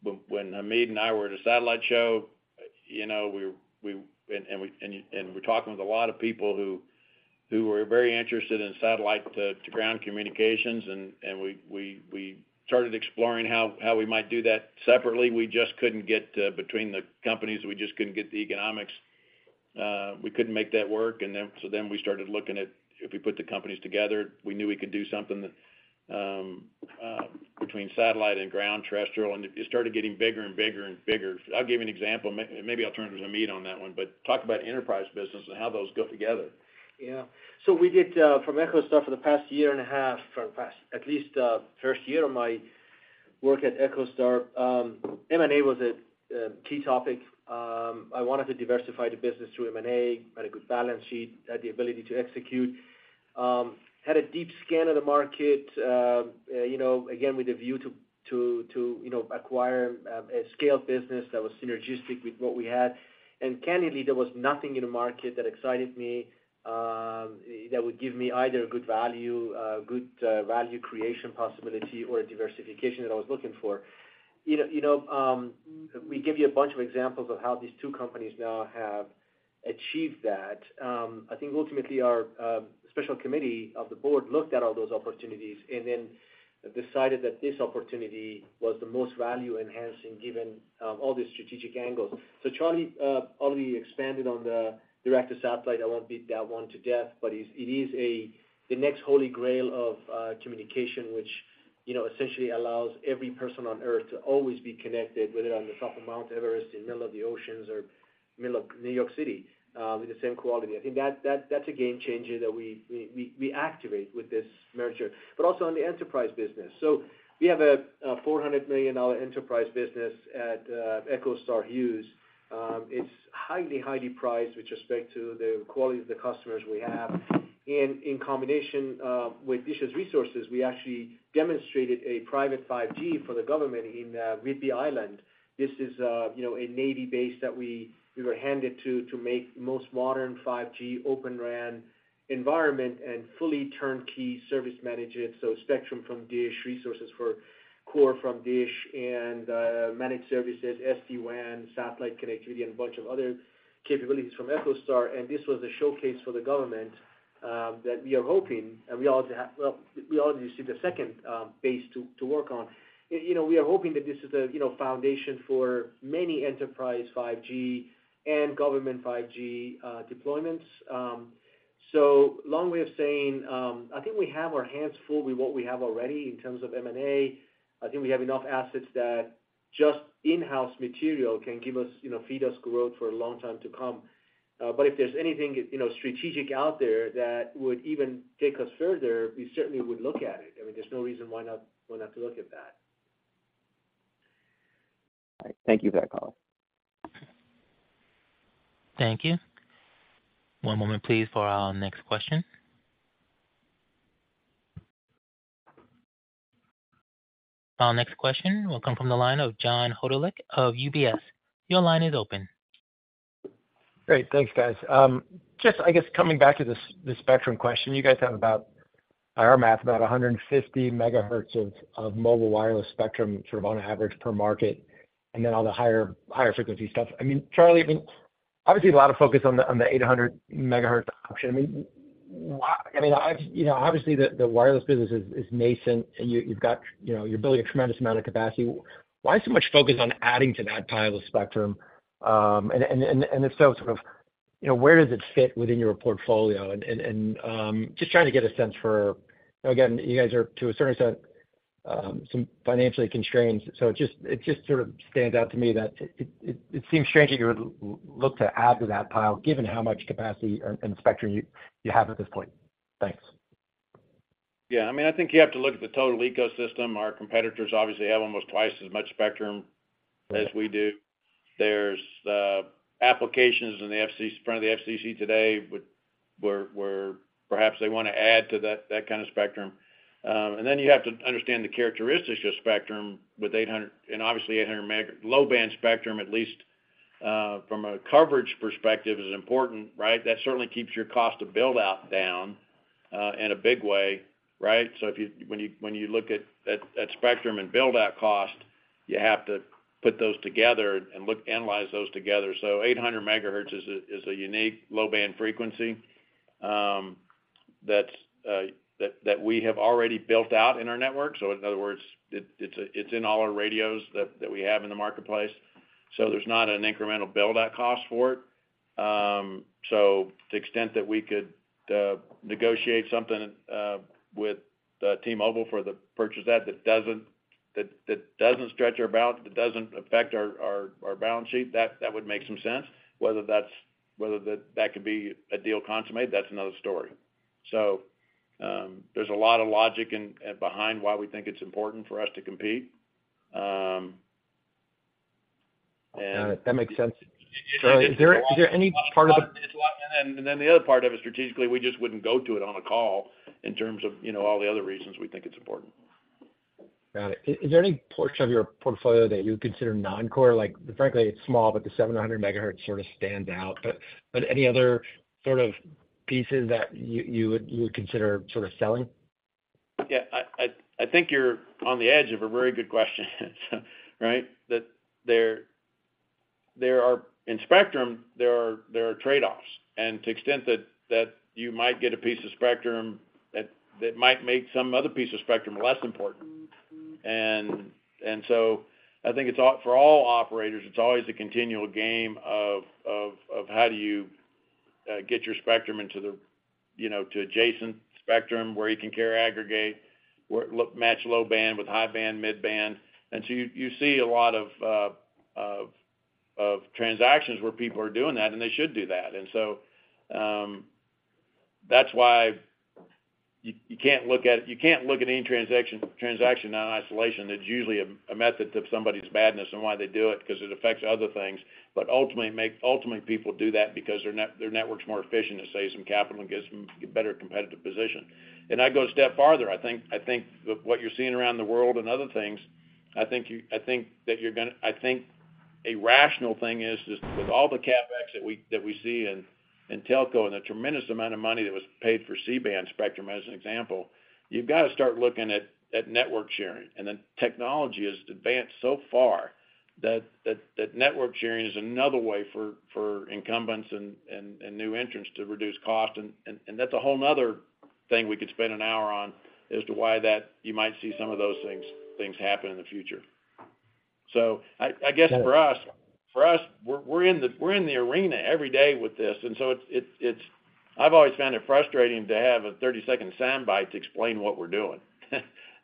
When, when Hamid and I were at a satellite show, you know, and, and we, and we're talking with a lot of people who, who were very interested in satellite to, to ground communications, and, and we, we, we started exploring how, how we might do that separately. We just couldn't get, between the companies, we just couldn't get the economics. We couldn't make that work, and then, so then we started looking at if we put the companies together, we knew we could do something that- between satellite and ground terrestrial, and it started getting bigger and bigger and bigger. I'll give you an example. May- maybe I'll turn it to Hamid on that one, but talk about enterprise business and how those go together. Yeah. We did from EchoStar for the past year and a half, for the past, at least, first year of my work at EchoStar, M&A was a key topic. I wanted to diversify the business through M&A, had a good balance sheet, had the ability to execute. Had a deep scan of the market, you know, again, with a view to, to, to, you know, acquire a scaled business that was synergistic with what we had. Candidly, there was nothing in the market that excited me that would give me either a good value, good value creation possibility, or a diversification that I was looking for. You know, you know, we give you a bunch of examples of how these two companies now have achieved that. I think ultimately our special committee of the board looked at all those opportunities and then decided that this opportunity was the most value-enhancing, given all the strategic angles. Charlie already expanded on the direct-to-satellite. I won't beat that one to death, but it's it is a, the next holy grail of communication, which, you know, essentially allows every person on Earth to always be connected, whether on the top of Mount Everest, in the middle of the oceans, or middle of New York City with the same quality. I think that that that's a game changer that we we we we activate with this merger. Also on the enterprise business. We have a $400 million enterprise business at EchoStar Hughes. It's highly, highly prized with respect to the quality of the customers we have. In combination, with DISH's resources, we actually demonstrated a private 5G for the government in Whidbey Island. This is, you know, a Navy base that we, we were handed to, to make the most modern 5G Open RAN environment and fully turnkey service manage it. Spectrum from DISH, resources for core from DISH and managed services, SD-WAN, satellite connectivity, and a bunch of other capabilities from EchoStar. This was a showcase for the government that we are hoping, and we already have. Well, we already received a second base to work on. You know, we are hoping that this is a, you know, foundation for many enterprise 5G and government 5G deployments. Long way of saying, I think we have our hands full with what we have already in terms of M&A. I think we have enough assets that just in-house material can give us, you know, feed us growth for a long time to come. If there's anything, you know, strategic out there that would even take us further, we certainly would look at it. I mean, there's no reason why not, why not to look at that. Thank you for that color. Thank you. One moment, please, for our next question. Our next question will come from the line of John Hodulik of UBS. Your line is open. Great. Thanks, guys. Just, I guess, coming back to this, this spectrum question, you guys have about, by our math, about 150 MHz of mobile wireless spectrum, sort of on average per market, and then all the higher, higher frequency stuff. I mean, Charlie, I mean, obviously, a lot of focus on the 800 MHz option. I mean, obviously, the wireless business is nascent, and you've got, you know, you're building a tremendous amount of capacity. Why so much focus on adding to that pile of spectrum? And if so, sort of, you know, where does it fit within your portfolio? Just trying to get a sense for. Again, you guys are, to a certain extent, some financially constrained. It just sort of stands out to me that it seems strange that you would look to add to that pile given how much capacity and spectrum you have at this point. Thanks. Yeah, I mean, I think you have to look at the total ecosystem. Our competitors obviously have almost twice as much spectrum as we do. There's applications in the front of the FCC today, where, where, where perhaps they want to add to that, that kind of spectrum. Then you have to understand the characteristics of spectrum with 800 MHz, and obviously, low-band spectrum, at least from a coverage perspective, is important, right? That certainly keeps your cost of build-out down in a big way, right? If you when you, when you look at, at spectrum and build-out cost, you have to put those together and analyze those together. 800 MHz is a, is a unique low-band frequency that, that, that we have already built out in our network. In other words, it's in all our radios that we have in the marketplace, so there's not an incremental build-out cost for it. To the extent that we could negotiate something with T-Mobile for the purchase that doesn't stretch our balance, that doesn't affect our balance sheet, that would make some sense. Whether that could be a deal consummated, that's another story. There's a lot of logic behind why we think it's important for us to compete. Got it. That makes sense. Is there any part of the- The other part of it, strategically, we just wouldn't go to it on a call in terms of, you know, all the other reasons we think it's important. Got it. Is there any portion of your portfolio that you would consider non-core? Like, frankly, it's small, but the 700 MHz sort of stands out. Any other sort of pieces that you would consider sort of selling? Yeah, I think you're on the edge of a very good question, right? That there are in spectrum, there are trade-offs. To the extent that you might get a piece of spectrum that might make some other piece of spectrum less important. So I think it's for all operators, it's always a continual game of how do you, get your spectrum into the, you know, to adjacent spectrum where you can carry aggregate, where look, match low band with high band, mid band. So you see a lot of transactions where people are doing that, and they should do that. So, that's why you can't look at any transaction in isolation. There's usually a, a method to somebody's madness and why they do it because it affects other things. Ultimately, people do that because their network's more efficient to save some capital and get some better competitive position. I'd go a step farther. I think, I think what you're seeing around the world and other things, I think a rational thing is, is with all the CapEx that we, that we see in, in telco and the tremendous amount of money that was paid for C-band Spectrum, as an example, you've got to start looking at, at network sharing. The technology has advanced so far that network sharing is another way for incumbents and new entrants to reduce costs. That's a whole other thing we could spend 1 hour on as to why that you might see some of those things, things happen in the future. I guess for us, for us, we're, we're in the, we're in the arena every day with this, and so it's, it's, it's. I've always found it frustrating to have a 30-second soundbite to explain what we're doing.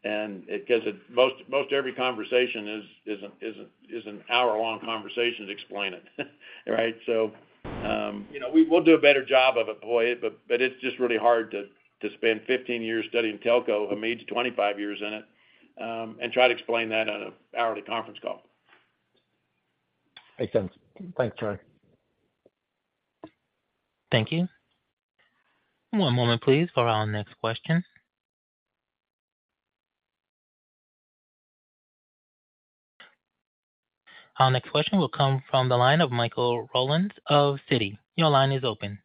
Because it, most, most every conversation is, is an, is an, is a one-hour-long conversation to explain it. Right? You know, we will do a better job of it, boy, but it's just really hard to spend 15 years studying telco, and me, it's 25 years in it, and try to explain that on an hourly conference call. Makes sense. Thanks, Charlie. Thank you. One moment, please, for our next question. Our next question will come from the line of Michael Rollins of Citi. Your line is open.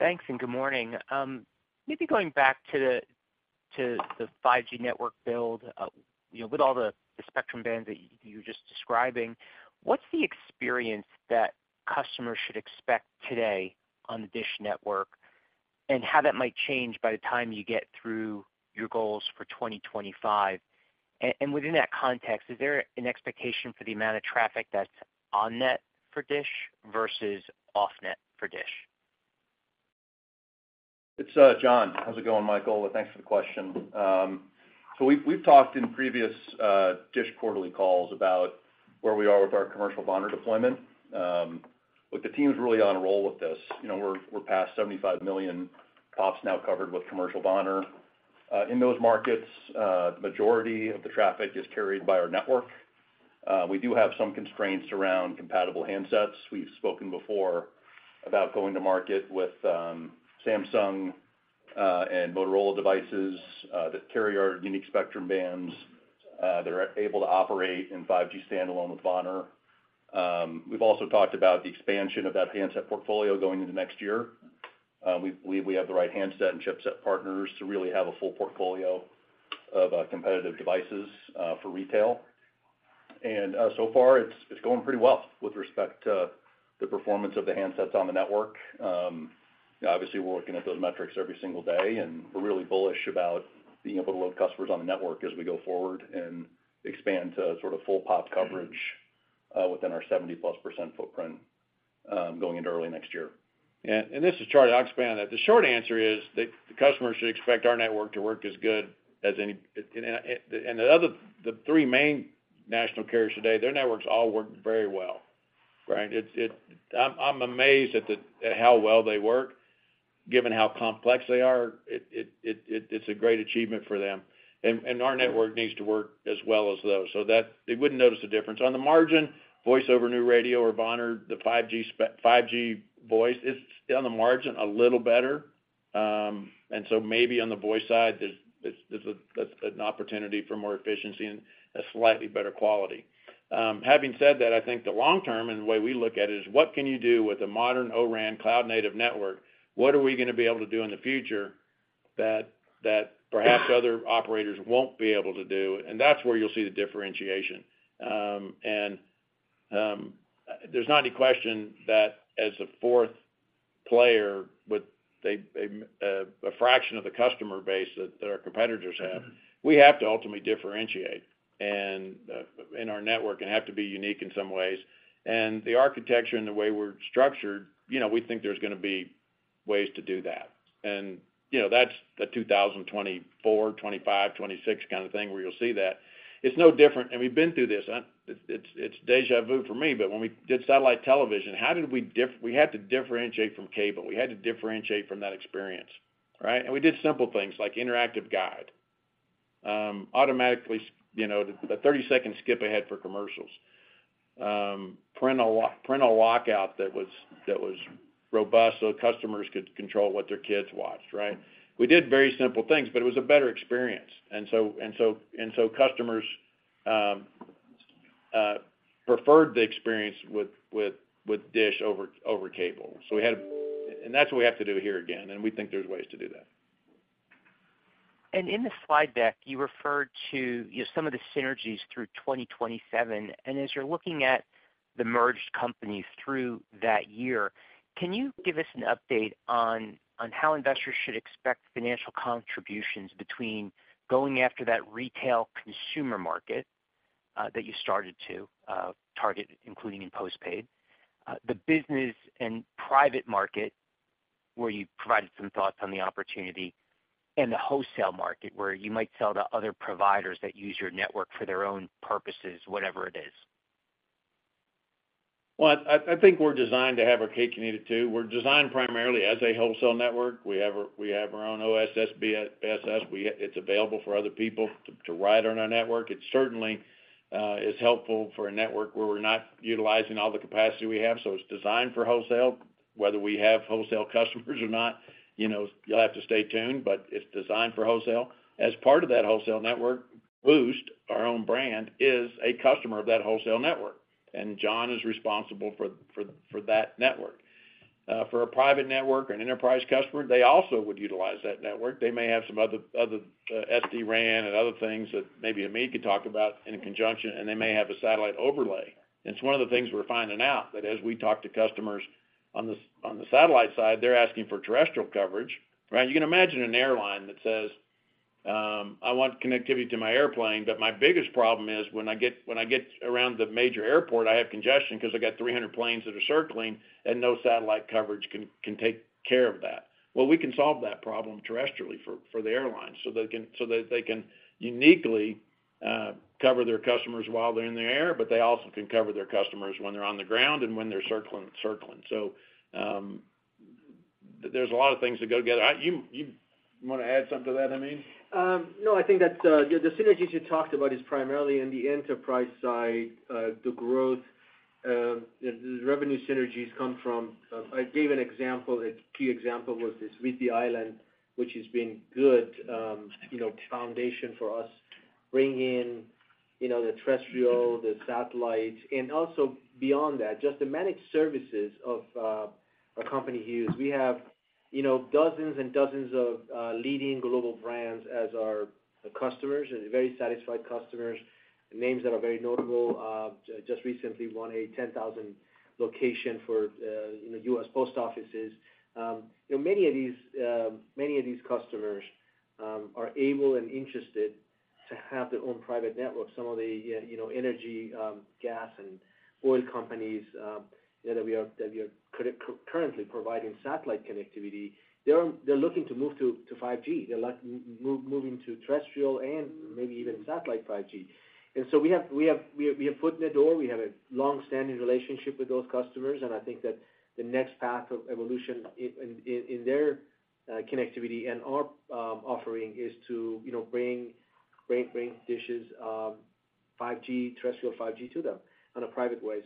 Thanks, and good morning. Maybe going back to the, to the 5G network build, you know, with all the, the spectrum bands that you were just describing, what's the experience that customers should expect today on the DISH Network? How that might change by the time you get through your goals for 2025? Within that context, is there an expectation for the amount of traffic that's on net for DISH versus off net for DISH? It's, John. How's it going, Michael? Thanks for the question. We've, we've talked in previous DISH quarterly calls about where we are with our commercial VoNR deployment. The team is really on a roll with this. You know, we're, we're past 75 million pops now covered with commercial VoNR. In those markets, majority of the traffic is carried by our network. We do have some constraints around compatible handsets. We've spoken before about going to market with, Samsung, and Motorola devices, that carry our unique spectrum bands, that are able to operate in 5G standalone with VoNR. We've also talked about the expansion of that handset portfolio going into next year. We, we, we have the right handset and chipset partners to really have a full portfolio of, competitive devices, for retail. So far, it's going pretty well with respect to the performance of the handsets on the network. Obviously, we're working at those metrics every single day, and we're really bullish about being able to load customers on the network as we go forward and expand to sort of full pop coverage, within our 70%+ footprint, going into early next year. This is Charlie. I'll expand on that. The short answer is that the customers should expect our network to work as good as any, the other, the three main national carriers today, their networks all work very well, right? It's, I'm amazed at how well they work, given how complex they are. It's a great achievement for them, and our network needs to work as well as those, so that they wouldn't notice the difference. On the margin, voice over new radio or VoNR, the 5G voice, it's on the margin, a little better. So maybe on the voice side, there's, there's, there's an opportunity for more efficiency and a slightly better quality. Having said that, I think the long term, and the way we look at it, is what can you do with a modern O-RAN cloud native network? What are we gonna be able to do in the future that, that perhaps other operators won't be able to do? That's where you'll see the differentiation. There's not any question that as a fourth player with a, a, a fraction of the customer base that, that our competitors have, we have to ultimately differentiate, and in our network and have to be unique in some ways. The architecture and the way we're structured, you know, we think there's gonna be ways to do that. You know, that's a 2024, 2025, 2026 kind of thing where you'll see that. It's no different, and we've been through this. It's, it's deja vu for me, but when we did satellite television, how did we have to differentiate from cable? We had to differentiate from that experience, right? We did simple things like interactive guide. Automatically, you know, the 30-second skip ahead for commercials. Parental lockout that was, that was robust, so customers could control what their kids watched, right? We did very simple things, but it was a better experience. And so, and so customers preferred the experience with, with, with DISH over, over cable. That's what we have to do here again, and we think there's ways to do that. In the slide deck, you referred to, you know, some of the synergies through 2027. As you're looking at the merged company through that year, can you give us an update on, on how investors should expect financial contributions between going after that retail consumer market? that you started to target, including in postpaid. The business and private market, where you provided some thoughts on the opportunity and the wholesale market, where you might sell to other providers that use your network for their own purposes, whatever it is. Well, I think we're designed to have our cake and eat it, too. We're designed primarily as a wholesale network. We have our own OSS/BSS. It's available for other people to ride on our network. It certainly is helpful for a network where we're not utilizing all the capacity we have, so it's designed for wholesale. Whether we have wholesale customers or not, you know, you'll have to stay tuned, but it's designed for wholesale. As part of that wholesale network, Boost, our own brand, is a customer of that wholesale network, and John is responsible for that network. For a private network or an enterprise customer, they also would utilize that network. They may have some other SD-RAN and other things that maybe Ameen could talk about in conjunction, and they may have a satellite overlay. It's one of the things we're finding out, that as we talk to customers on the satellite side, they're asking for terrestrial coverage, right? You can imagine an airline that says, I want connectivity to my airplane, but my biggest problem is when I get, when I get around the major airport, I have congestion 'cause I got 300 planes that are circling and no satellite coverage can, can take care of that. Well, we can solve that problem terrestrially for, for the airlines so they can, so that they can uniquely cover their customers while they're in the air, but they also can cover their customers when they're on the ground and when they're circling, circling. There's a lot of things that go together. You, you want to add something to that, Hamid? No, I think that's. The synergies you talked about is primarily in the enterprise side, the growth. The revenue synergies come from. I gave an example. A key example was the Whidbey Island, which has been good, you know, foundation for us, bringing in, you know, the terrestrial, the satellite, and also beyond that, just the managed services of a company use. We have, you know, dozens and dozens of leading global brands as our customers, and very satisfied customers, names that are very notable. Just recently won a 10,000 location for, you know, U.S. post offices. Many of these, many of these customers are able and interested to have their own private network. Some of the, you know, energy, gas and oil companies, you know, that we are currently providing satellite connectivity, they're looking to move to 5G. They're like, moving to terrestrial and maybe even satellite 5G. We have a foot in the door. We have a long-standing relationship with those customers, and I think that the next path of evolution in their connectivity and our offering is to, you know, bring dishes, 5G, terrestrial 5G to them on a private way.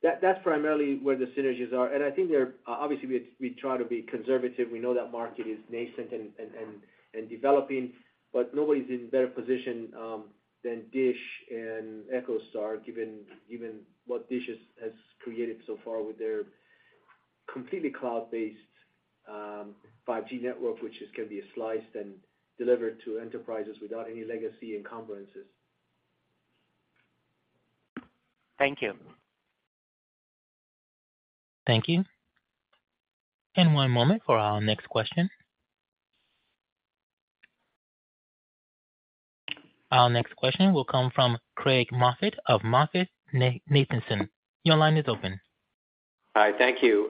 That's primarily where the synergies are, and I think obviously, we try to be conservative. We know that market is nascent and developing, but nobody's in a better position than DISH and EchoStar, given what DISH has created so far with their completely cloud-based 5G network, which can be sliced and delivered to enterprises without any legacy encumbrances. Thank you. Thank you. One moment for our next question. Our next question will come from Craig Moffett of MoffettNathanson. Your line is open. Hi, thank you.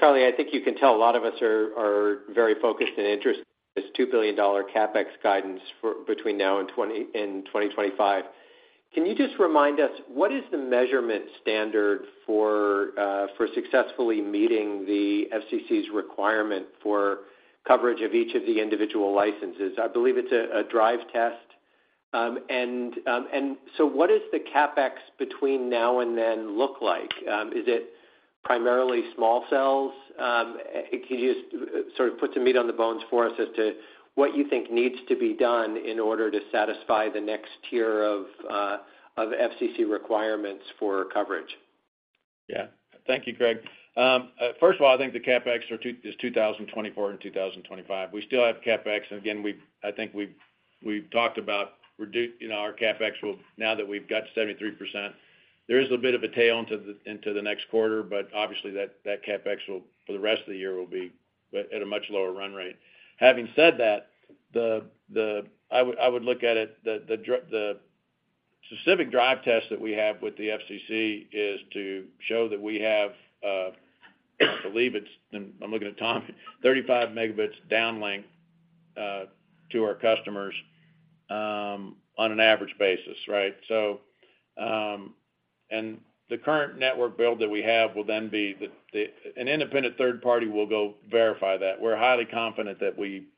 Charlie, I think you can tell a lot of us are very focused and interested in this $2 billion CapEx guidance for between now and 2025. Can you just remind us, what is the measurement standard for successfully meeting the FCC's requirement for coverage of each of the individual licenses? I believe it's a drive test. What does the CapEx between now and then look like? Is it primarily small cells? Can you just sort of put some meat on the bones for us as to what you think needs to be done in order to satisfy the next tier of FCC requirements for coverage? Yeah. Thank you, Craig. First of all, I think the CapEx are 2024 and 2025. We still have CapEx, and again, I think we've talked about redu you know, our CapEx will, now that we've got 73%, there is a bit of a tail into the, into the next quarter, but obviously, that, that CapEx will, for the rest of the year, will be at, at a much lower run rate. Having said that, I would, I would look at it, the specific drive test that we have with the FCC is to show that we have, I believe it's, and I'm looking at Tommy, 35 Mb downlink to our customers on an average basis, right? The current network build that we have will then be the, the an independent third party will go verify that. We're highly confident that we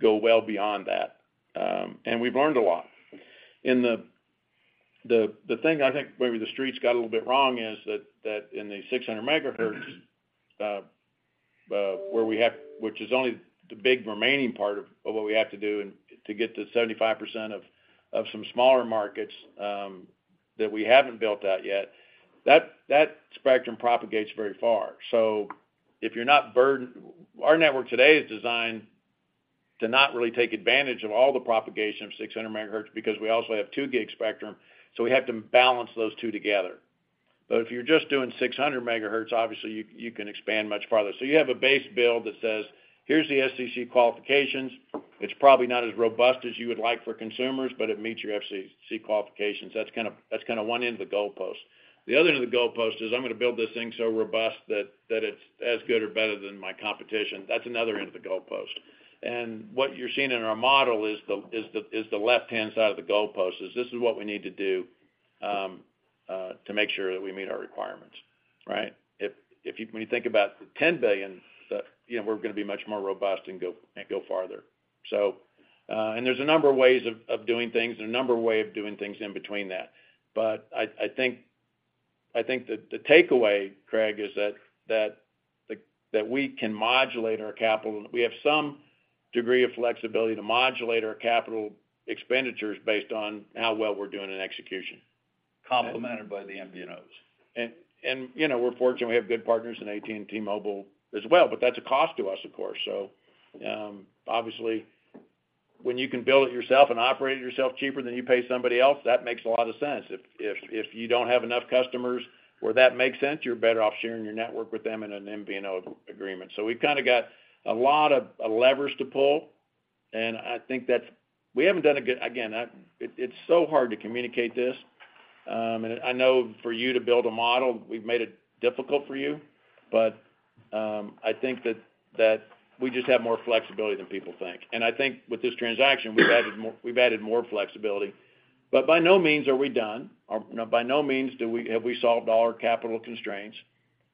go well beyond that, and we've learned a lot. The, the, the thing I think maybe the streets got a little bit wrong is that, that in the 600 MHz, where we have which is only the big remaining part of what we have to do and to get to 75% of some smaller markets that we haven't built out yet, that, that spectrum propagates very far. If you're not burdened, our network today is designed to not really take advantage of all the propagation of 600 MHz because we also have 2 GHz spectrum, so we have to balance those two together. If you're just doing 600 MHz, obviously, you can expand much farther. You have a base build that says, here's the FCC qualifications. It's probably not as robust as you would like for consumers, but it meets your FCC qualifications. That's kind of one end of the goalpost. The other end of the goalpost is, I'm gonna build this thing so robust that it's as good or better than my competition. That's another end of the goalpost. What you're seeing in our model is the left-hand side of the goalpost, is this is what we need to do to make sure that we meet our requirements, right? If when you think about the $10 billion, you know, we're gonna be much more robust and go farther. And there's a number of ways of, of doing things and a number of way of doing things in between that. I, I think, I think that the takeaway, Craig, is that, that, the, that we can modulate our capital. We have some degree of flexibility to modulate our capital expenditures based on how well we're doing in execution. Complemented by the MVNOs. You know, we're fortunate we have good partners in AT&T Mobile as well, but that's a cost to us, of course. Obviously, when you can build it yourself and operate it yourself cheaper than you pay somebody else, that makes a lot of sense. If, if, if you don't have enough customers where that makes sense, you're better off sharing your network with them in an MVNO agreement. We've kind of got a lot of, of levers to pull, and I think that's. We haven't done a good again, it's so hard to communicate this, and I know for you to build a model, we've made it difficult for you, but I think that we just have more flexibility than people think. I think with this transaction, we've added more, we've added more flexibility. By no means are we done, or by no means have we solved all our capital constraints.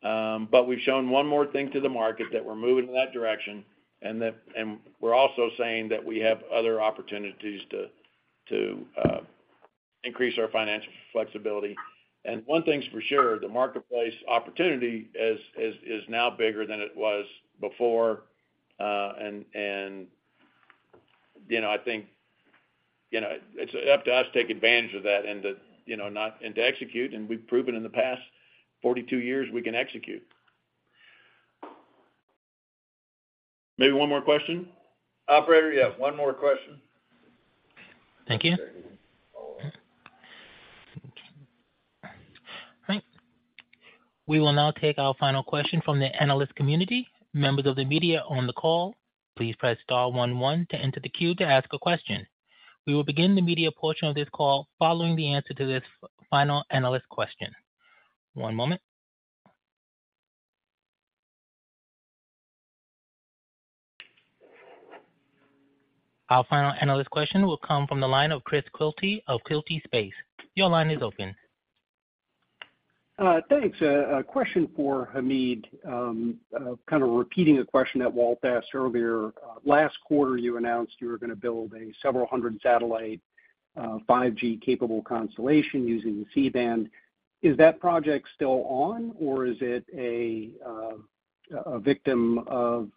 We've shown one more thing to the market, that we're moving in that direction, and we're also saying that we have other opportunities to, to increase our financial flexibility. One thing's for sure, the marketplace opportunity is, is, is now bigger than it was before, and, you know, I think, you know, it's up to us to take advantage of that and to, you know, not, and to execute, and we've proven in the past 42 years we can execute. Maybe one more question? Operator, yeah, one more question. Thank you. All right. We will now take our final question from the analyst community. Members of the media on the call, please press star one one to enter the queue to ask a question. We will begin the media portion of this call following the answer to this final analyst question. One moment. Our final analyst question will come from the line of Chris Quilty of Quilty Space. Your line is open. Thanks. A question for Hamid. kind of repeating a question that Walt asked earlier. Last quarter, you announced you were gonna build a several hundred satellite, 5G-capable constellation using the C-band. Is that project still on, or is it a victim of,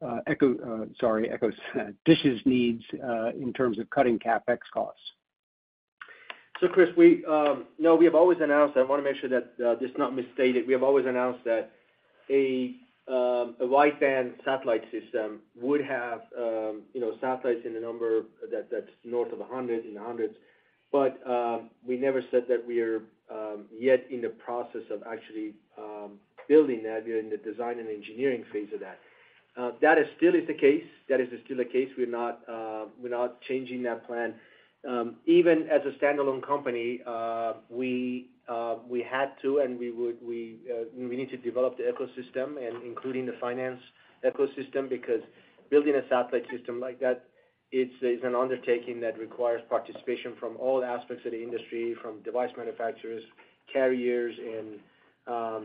sorry, EchoStar- Dish's needs, in terms of cutting CapEx costs? Chris, we have always announced. I want to make sure that this is not misstated. We have always announced that a wide-band satellite system would have, you know, satellites in the number that, that's north of 100, in the hundreds. We never said that we are yet in the process of actually building that. We are in the design and engineering phase of that. That is still is the case. That is still the case. We're not changing that plan. Even as a standalone company, we had to, and we would, we need to develop the ecosystem and including the finance ecosystem, because building a satellite system like that, it's it's an undertaking that requires participation from all aspects of the industry, from device manufacturers, carriers, and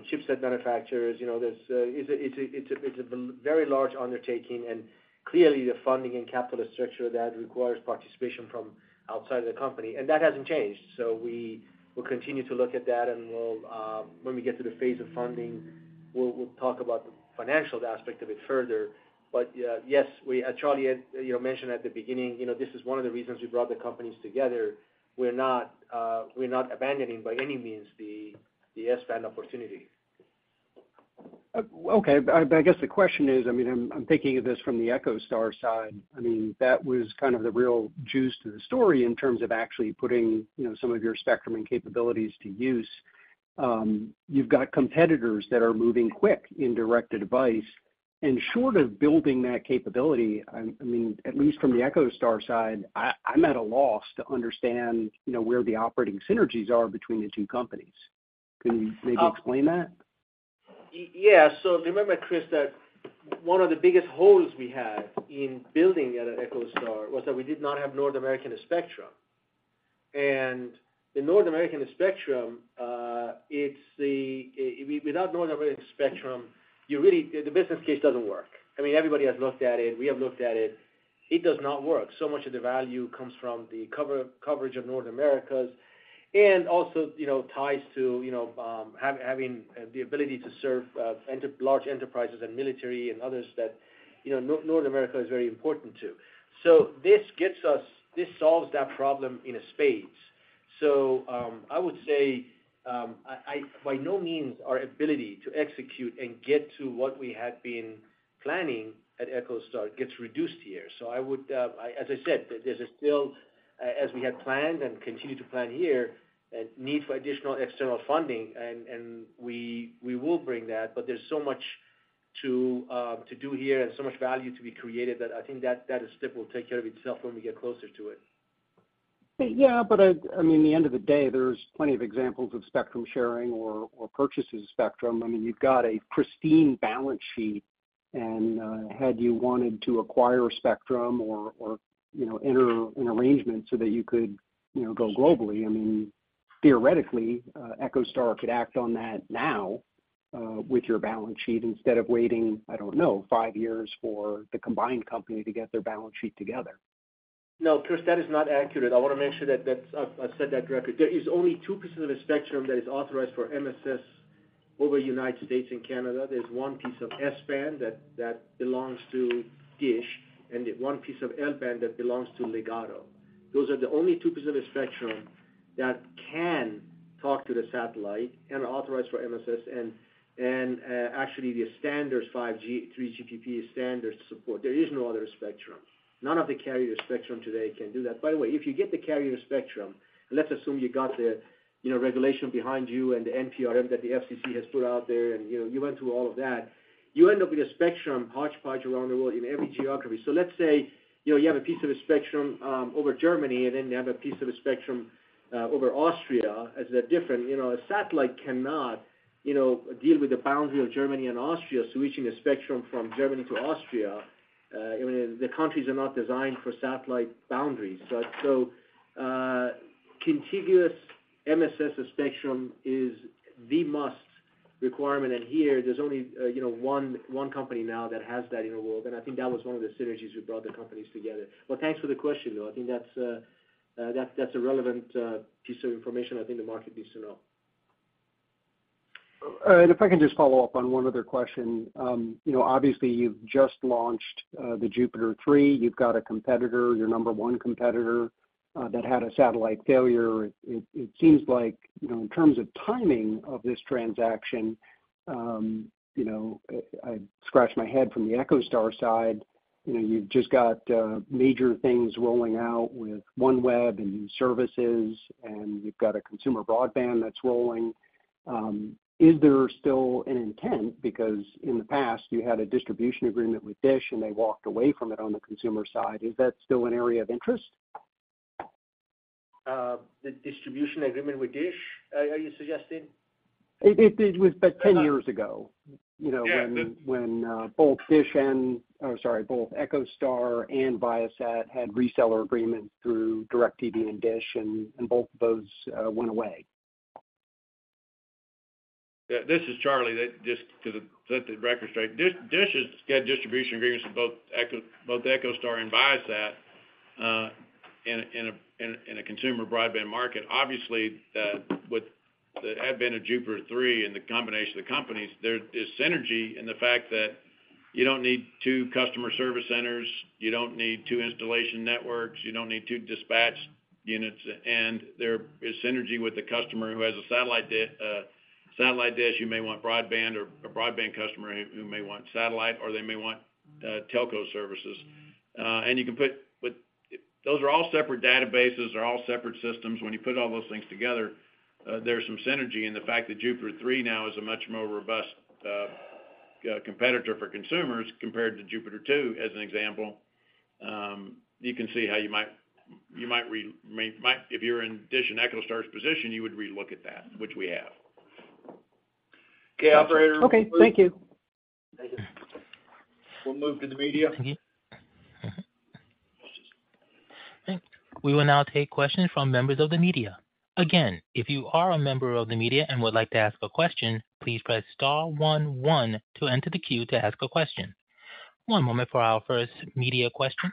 chipset manufacturers. You know, there's a it's a, it's a, it's a very large undertaking, and clearly, the funding and capital structure of that requires participation from outside of the company, and that hasn't changed. We will continue to look at that, and we'll, when we get to the phase of funding, we'll, we'll talk about the financial aspect of it further. Yes, we as Charlie, you know, mentioned at the beginning, you know, this is one of the reasons we brought the companies together. We're not, we're not abandoning by any means, the, the S-band opportunity. Okay. I, I guess the question is, I mean, I'm, I'm thinking of this from the EchoStar side. I mean, that was kind of the real juice to the story in terms of actually putting, you know, some of your spectrum and capabilities to use. You've got competitors that are moving quick in direct-to-device. Short of building that capability, I'm, I mean, at least from the EchoStar side, I, I'm at a loss to understand, you know, where the operating synergies are between the two companies. Can you maybe explain that? Yeah. Remember, Chris, that one of the biggest holes we had in building at EchoStar was that we did not have North American spectrum. The North American spectrum, it's the without North American spectrum, you really the business case doesn't work. I mean, everybody has looked at it. We have looked at it. It does not work. Much of the value comes from the coverage of North America, and also, you know, ties to, you know, having the ability to serve large enterprises and military and others that, you know, North America is very important to. This gets us, this solves that problem in a space. I would say, by no means, our ability to execute and get to what we had been planning at EchoStar gets reduced here. I would, as I said, there's a still, as we had planned and continue to plan here, a need for additional external funding, and we will bring that. There's so much to, to do here and so much value to be created that I think that, that is still will take care of itself when we get closer to it. Yeah, but I, I mean, at the end of the day, there's plenty of examples of spectrum sharing or, or purchasing spectrum. I mean, you've got a pristine balance sheet, and had you wanted to acquire a spectrum or, or, you know, enter an arrangement so that you could, you know, go globally, I mean, theoretically, EchoStar could act on that now with your balance sheet instead of waiting, I don't know, five years for the combined company to get their balance sheet together. No, Chris, that is not accurate. I want to make sure that that's, I've said that correctly. There is only two pieces of the spectrum that is authorized for MSS over U.S. and Canada. There's one piece of S-band that belongs to DISH, and one piece of L-band that belongs to Ligado. Those are the only two pieces of the spectrum that can talk to the satellite and are authorized for MSS, and actually, the standards 5G-3GPP standards support. There is no other spectrum. None of the carrier spectrum today can do that. By the way, if you get the carrier spectrum, let's assume you got the, you know, regulation behind you and the NPRM that the FCC has put out there, and, you know, you went through all of that, you end up with a spectrum hodgepodge around the world in every geography. Let's say, you know, you have a piece of the spectrum, over Germany, and then you have a piece of the spectrum, over Austria, as they're different. You know, a satellite cannot, you know, deal with the boundary of Germany and Austria, switching a spectrum from Germany to Austria. I mean, the countries are not designed for satellite boundaries. Contiguous MSS spectrum is the must requirement, and here there's only, you know, one, one company now that has that in the world, and I think that was one of the synergies that brought the companies together. Thanks for the question, though. I think that's, that's, that's a relevant, piece of information I think the market needs to know. If I can just follow up on one other question. You know, obviously, you've just launched the Jupiter-3. You've got a competitor, your number one competitor, that had a satellite failure. It, it seems like, you know, in terms of timing of this transaction, you know, I'd scratch my head from the EchoStar side. You know, you've just got major things rolling out with OneWeb and new services, and you've got a consumer broadband that's rolling. Is there still an intent? Because in the past, you had a distribution agreement with DISH, and they walked away from it on the consumer side. Is that still an area of interest? The distribution agreement with DISH, are you suggesting? It was, but 10 years ago, you know. Yeah. When, both DISH or sorry, both EchoStar and Viasat had reseller agreements through DirecTV and DISH, and both of those, went away. Yeah, this is Charlie. Just to set the record straight. Dish is get distribution agreements with both EchoStar and Viasat in a consumer broadband market. Obviously, with the advent of Jupiter-3 and the combination of the companies, there is synergy in the fact that you don't need two customer service centers, you don't need two installation networks, you don't need two dispatch units, and there is synergy with the customer who has a satellite dish, who may want broadband or a broadband customer who may want satellite, or they may want telco services. Those are all separate databases, they're all separate systems. When you put all those things together, there's some synergy in the fact that Jupiter-3 now is a much more robust competitor for consumers compared to Jupiter-2, as an example. You can see how you might, you might If you're in DISH and EchoStar's position, you would relook at that, which we have. Okay, operator. Okay, thank you. Thank you. We'll move to the media. Thanks. We will now take questions from members of the media. Again, if you are a member of the media and would like to ask a question, please press star one one to enter the queue to ask a question. One moment for our first media question.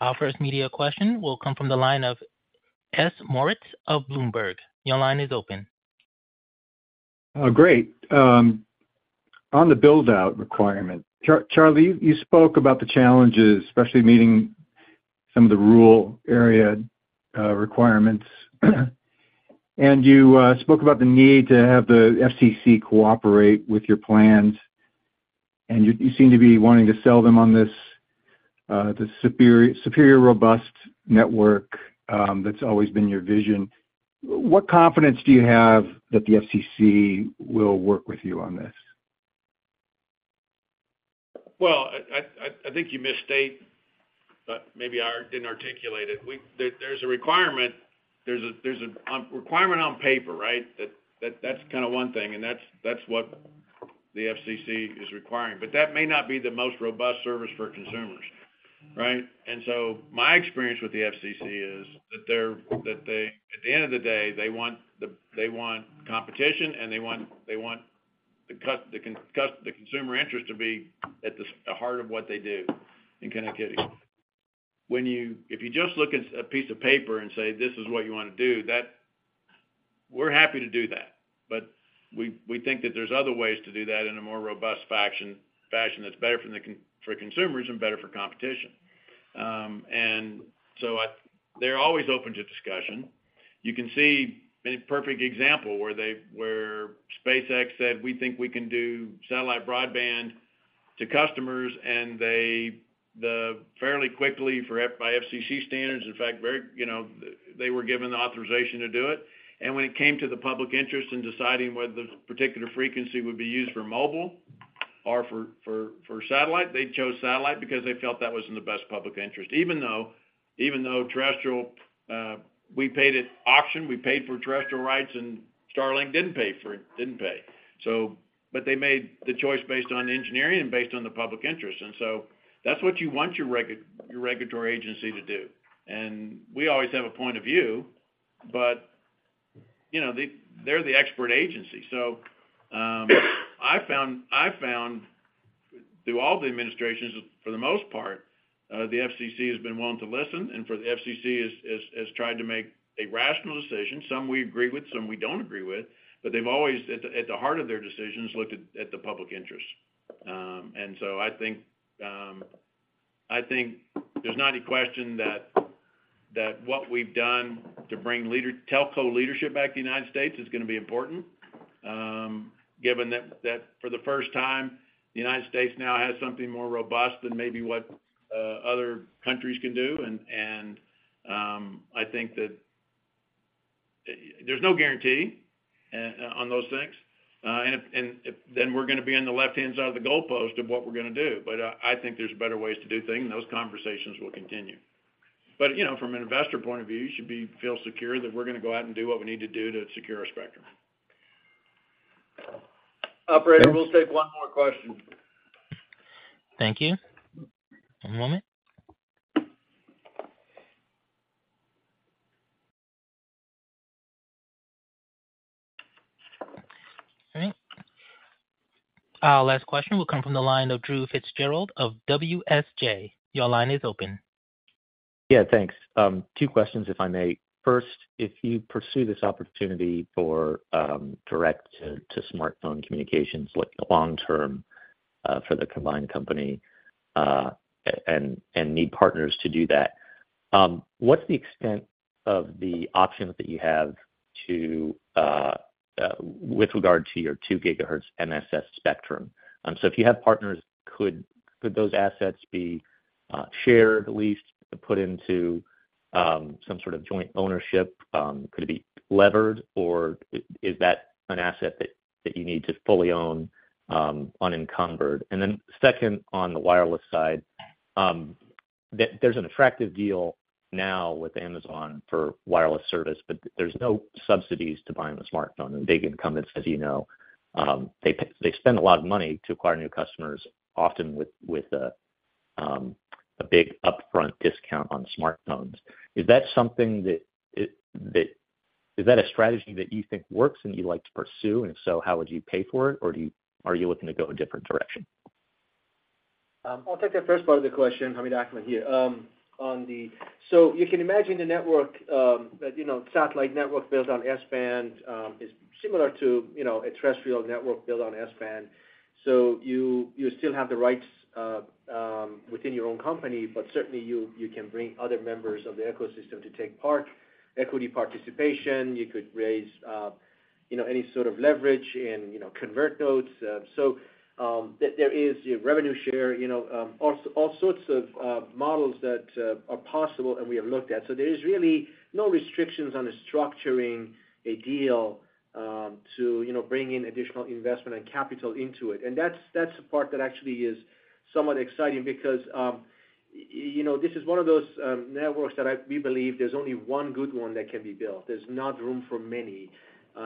Our first media question will come from the line of S. Moritz of Bloomberg. Your line is open. Great. On the build-out requirement, Charlie, you spoke about the challenges, especially meeting some of the rural area requirements. You spoke about the need to have the FCC cooperate with your plans, and you, you seem to be wanting to sell them on this, this superior, superior, robust network, that's always been your vision. What confidence do you have that the FCC will work with you on this? Well, I, I, I think you misstate, but maybe I didn't articulate it. We, there, there's a requirement. There's a, there's a requirement on paper, right? That, that's kind of one thing, and that's, that's what the FCC is requiring. That may not be the most robust service for consumers, right? So my experience with the FCC is that they're, that they, at the end of the day, they want the- they want competition, and they want, they want the cus- the cus- the consumer interest to be at the, the heart of what they do, in Connecticut. When you, if you just look at a piece of paper and say, this is what you want to do, that. We're happy to do that, but we, we think that there's other ways to do that in a more robust faction, fashion, that's better for the con- for consumers and better for competition. They're always open to discussion. You can see a perfect example where they, where SpaceX said, we think we can do satellite broadband to customers, and they, the fairly quickly, by FCC standards, in fact, very, you know, they were given the authorization to do it. When it came to the public interest in deciding whether the particular frequency would be used for mobile or for, for, for satellite, they chose satellite because they felt that was in the best public interest. Even though, even though terrestrial, we paid at auction, we paid for terrestrial rights, and Starlink didn't pay for it, didn't pay. But they made the choice based on engineering and based on the public interest. That's what you want your regulatory agency to do. We always have a point of view, but, you know, they, they're the expert agency. I found, I found through all the administrations, for the most part, the FCC has been willing to listen, and for the FCC has tried to make a rational decision. Some we agree with, some we don't agree with, but they've always, at the, at the heart of their decisions, looked at, at the public interest. I think, I think there's not any question that, that what we've done to bring telco leadership back to the United States is gonna be important, given that, that for the first time, the United States now has something more robust than maybe what other countries can do. I think that there's no guarantee on those things. If we're gonna be on the left-hand side of the goalpost of what we're gonna do. I think there's better ways to do things, and those conversations will continue. You know, from an investor point of view, you should feel secure that we're gonna go out and do what we need to do to secure our spectrum. Operator, we'll take one more question. Thank you. One moment. All right. Our last question will come from the line of Drew Fitzgerald of WSJ. Your line is open. Yeah, thanks. Two questions, if I may. First, if you pursue this opportunity for direct to, to smartphone communications, like long term, for the combined company, and, and need partners to do that, what's the extent of the options that you have to with regard to your 2 GHz MSS spectrum? If you had partners, could, could those assets be shared, at least, put into some sort of joint ownership? Could it be levered, or is, is that an asset that, that you need to fully own, unencumbered? Second, on the wireless side, there, there's an attractive deal now with Amazon for wireless service, but there's no subsidies to buying a smartphone. Big incumbents, as you know, they spend a lot of money to acquire new customers, often with a big upfront discount on smartphones. Is that a strategy that you think works and you’d like to pursue? If so, how would you pay for it, or are you looking to go a different direction? I'll take that first part of the question. Hamid Akhavan here. On the, so you can imagine the network, that, you know, satellite network built on S-band, is similar to, you know, a terrestrial network built on S-band. You, you still have the rights within your own company, but certainly, you, you can bring other members of the ecosystem to take part. Equity participation, you could raise, you know, any sort of leverage and, you know, convert notes. There, there is, you know, revenue share, you know, all, all sorts of models that are possible and we have looked at. There is really no restrictions on structuring a deal to, you know, bring in additional investment and capital into it. That's, that's the part that actually is somewhat exciting because, you know, this is one of those networks that we believe there's only one good one that can be built. There's not room for many.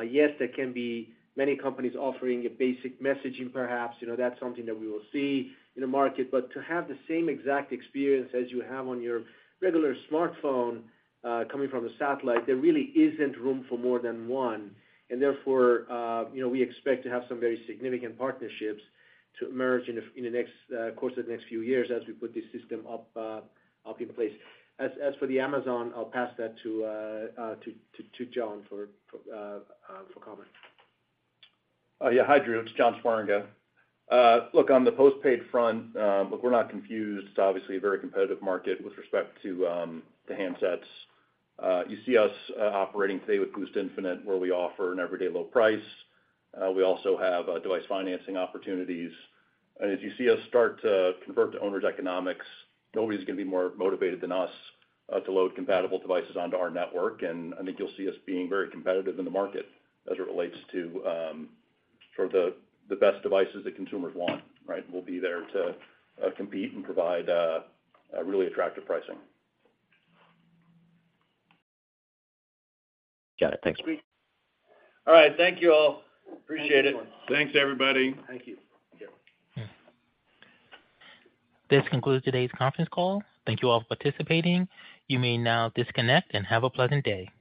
Yes, there can be many companies offering a basic messaging, perhaps. You know, that's something that we will see in the market. To have the same exact experience as you have on your regular smartphone, coming from a satellite, there really isn't room for more than one. Therefore, you know, we expect to have some very significant partnerships to emerge in the, in the next, course of the next few years as we put this system up, up in place. As for the Amazon, I'll pass that to, to, to John for, for comment. Yeah. Hi, Drew. It's John Swieringa. Look, on the postpaid front, look, we're not confused. It's obviously a very competitive market with respect to the handsets. You see us operating today with Boost Infinite, where we offer an everyday low price. We also have device financing opportunities. As you see us start to convert to owners' economics, nobody's gonna be more motivated than us to load compatible devices onto our network. I think you'll see us being very competitive in the market as it relates to sort of the best devices that consumers want, right? We'll be there to compete and provide a really attractive pricing. Got it. Thanks. All right. Thank you all. Appreciate it. Thanks, everybody. Thank you. This concludes today's conference call. Thank you all for participating. You may now disconnect and have a pleasant day. All right.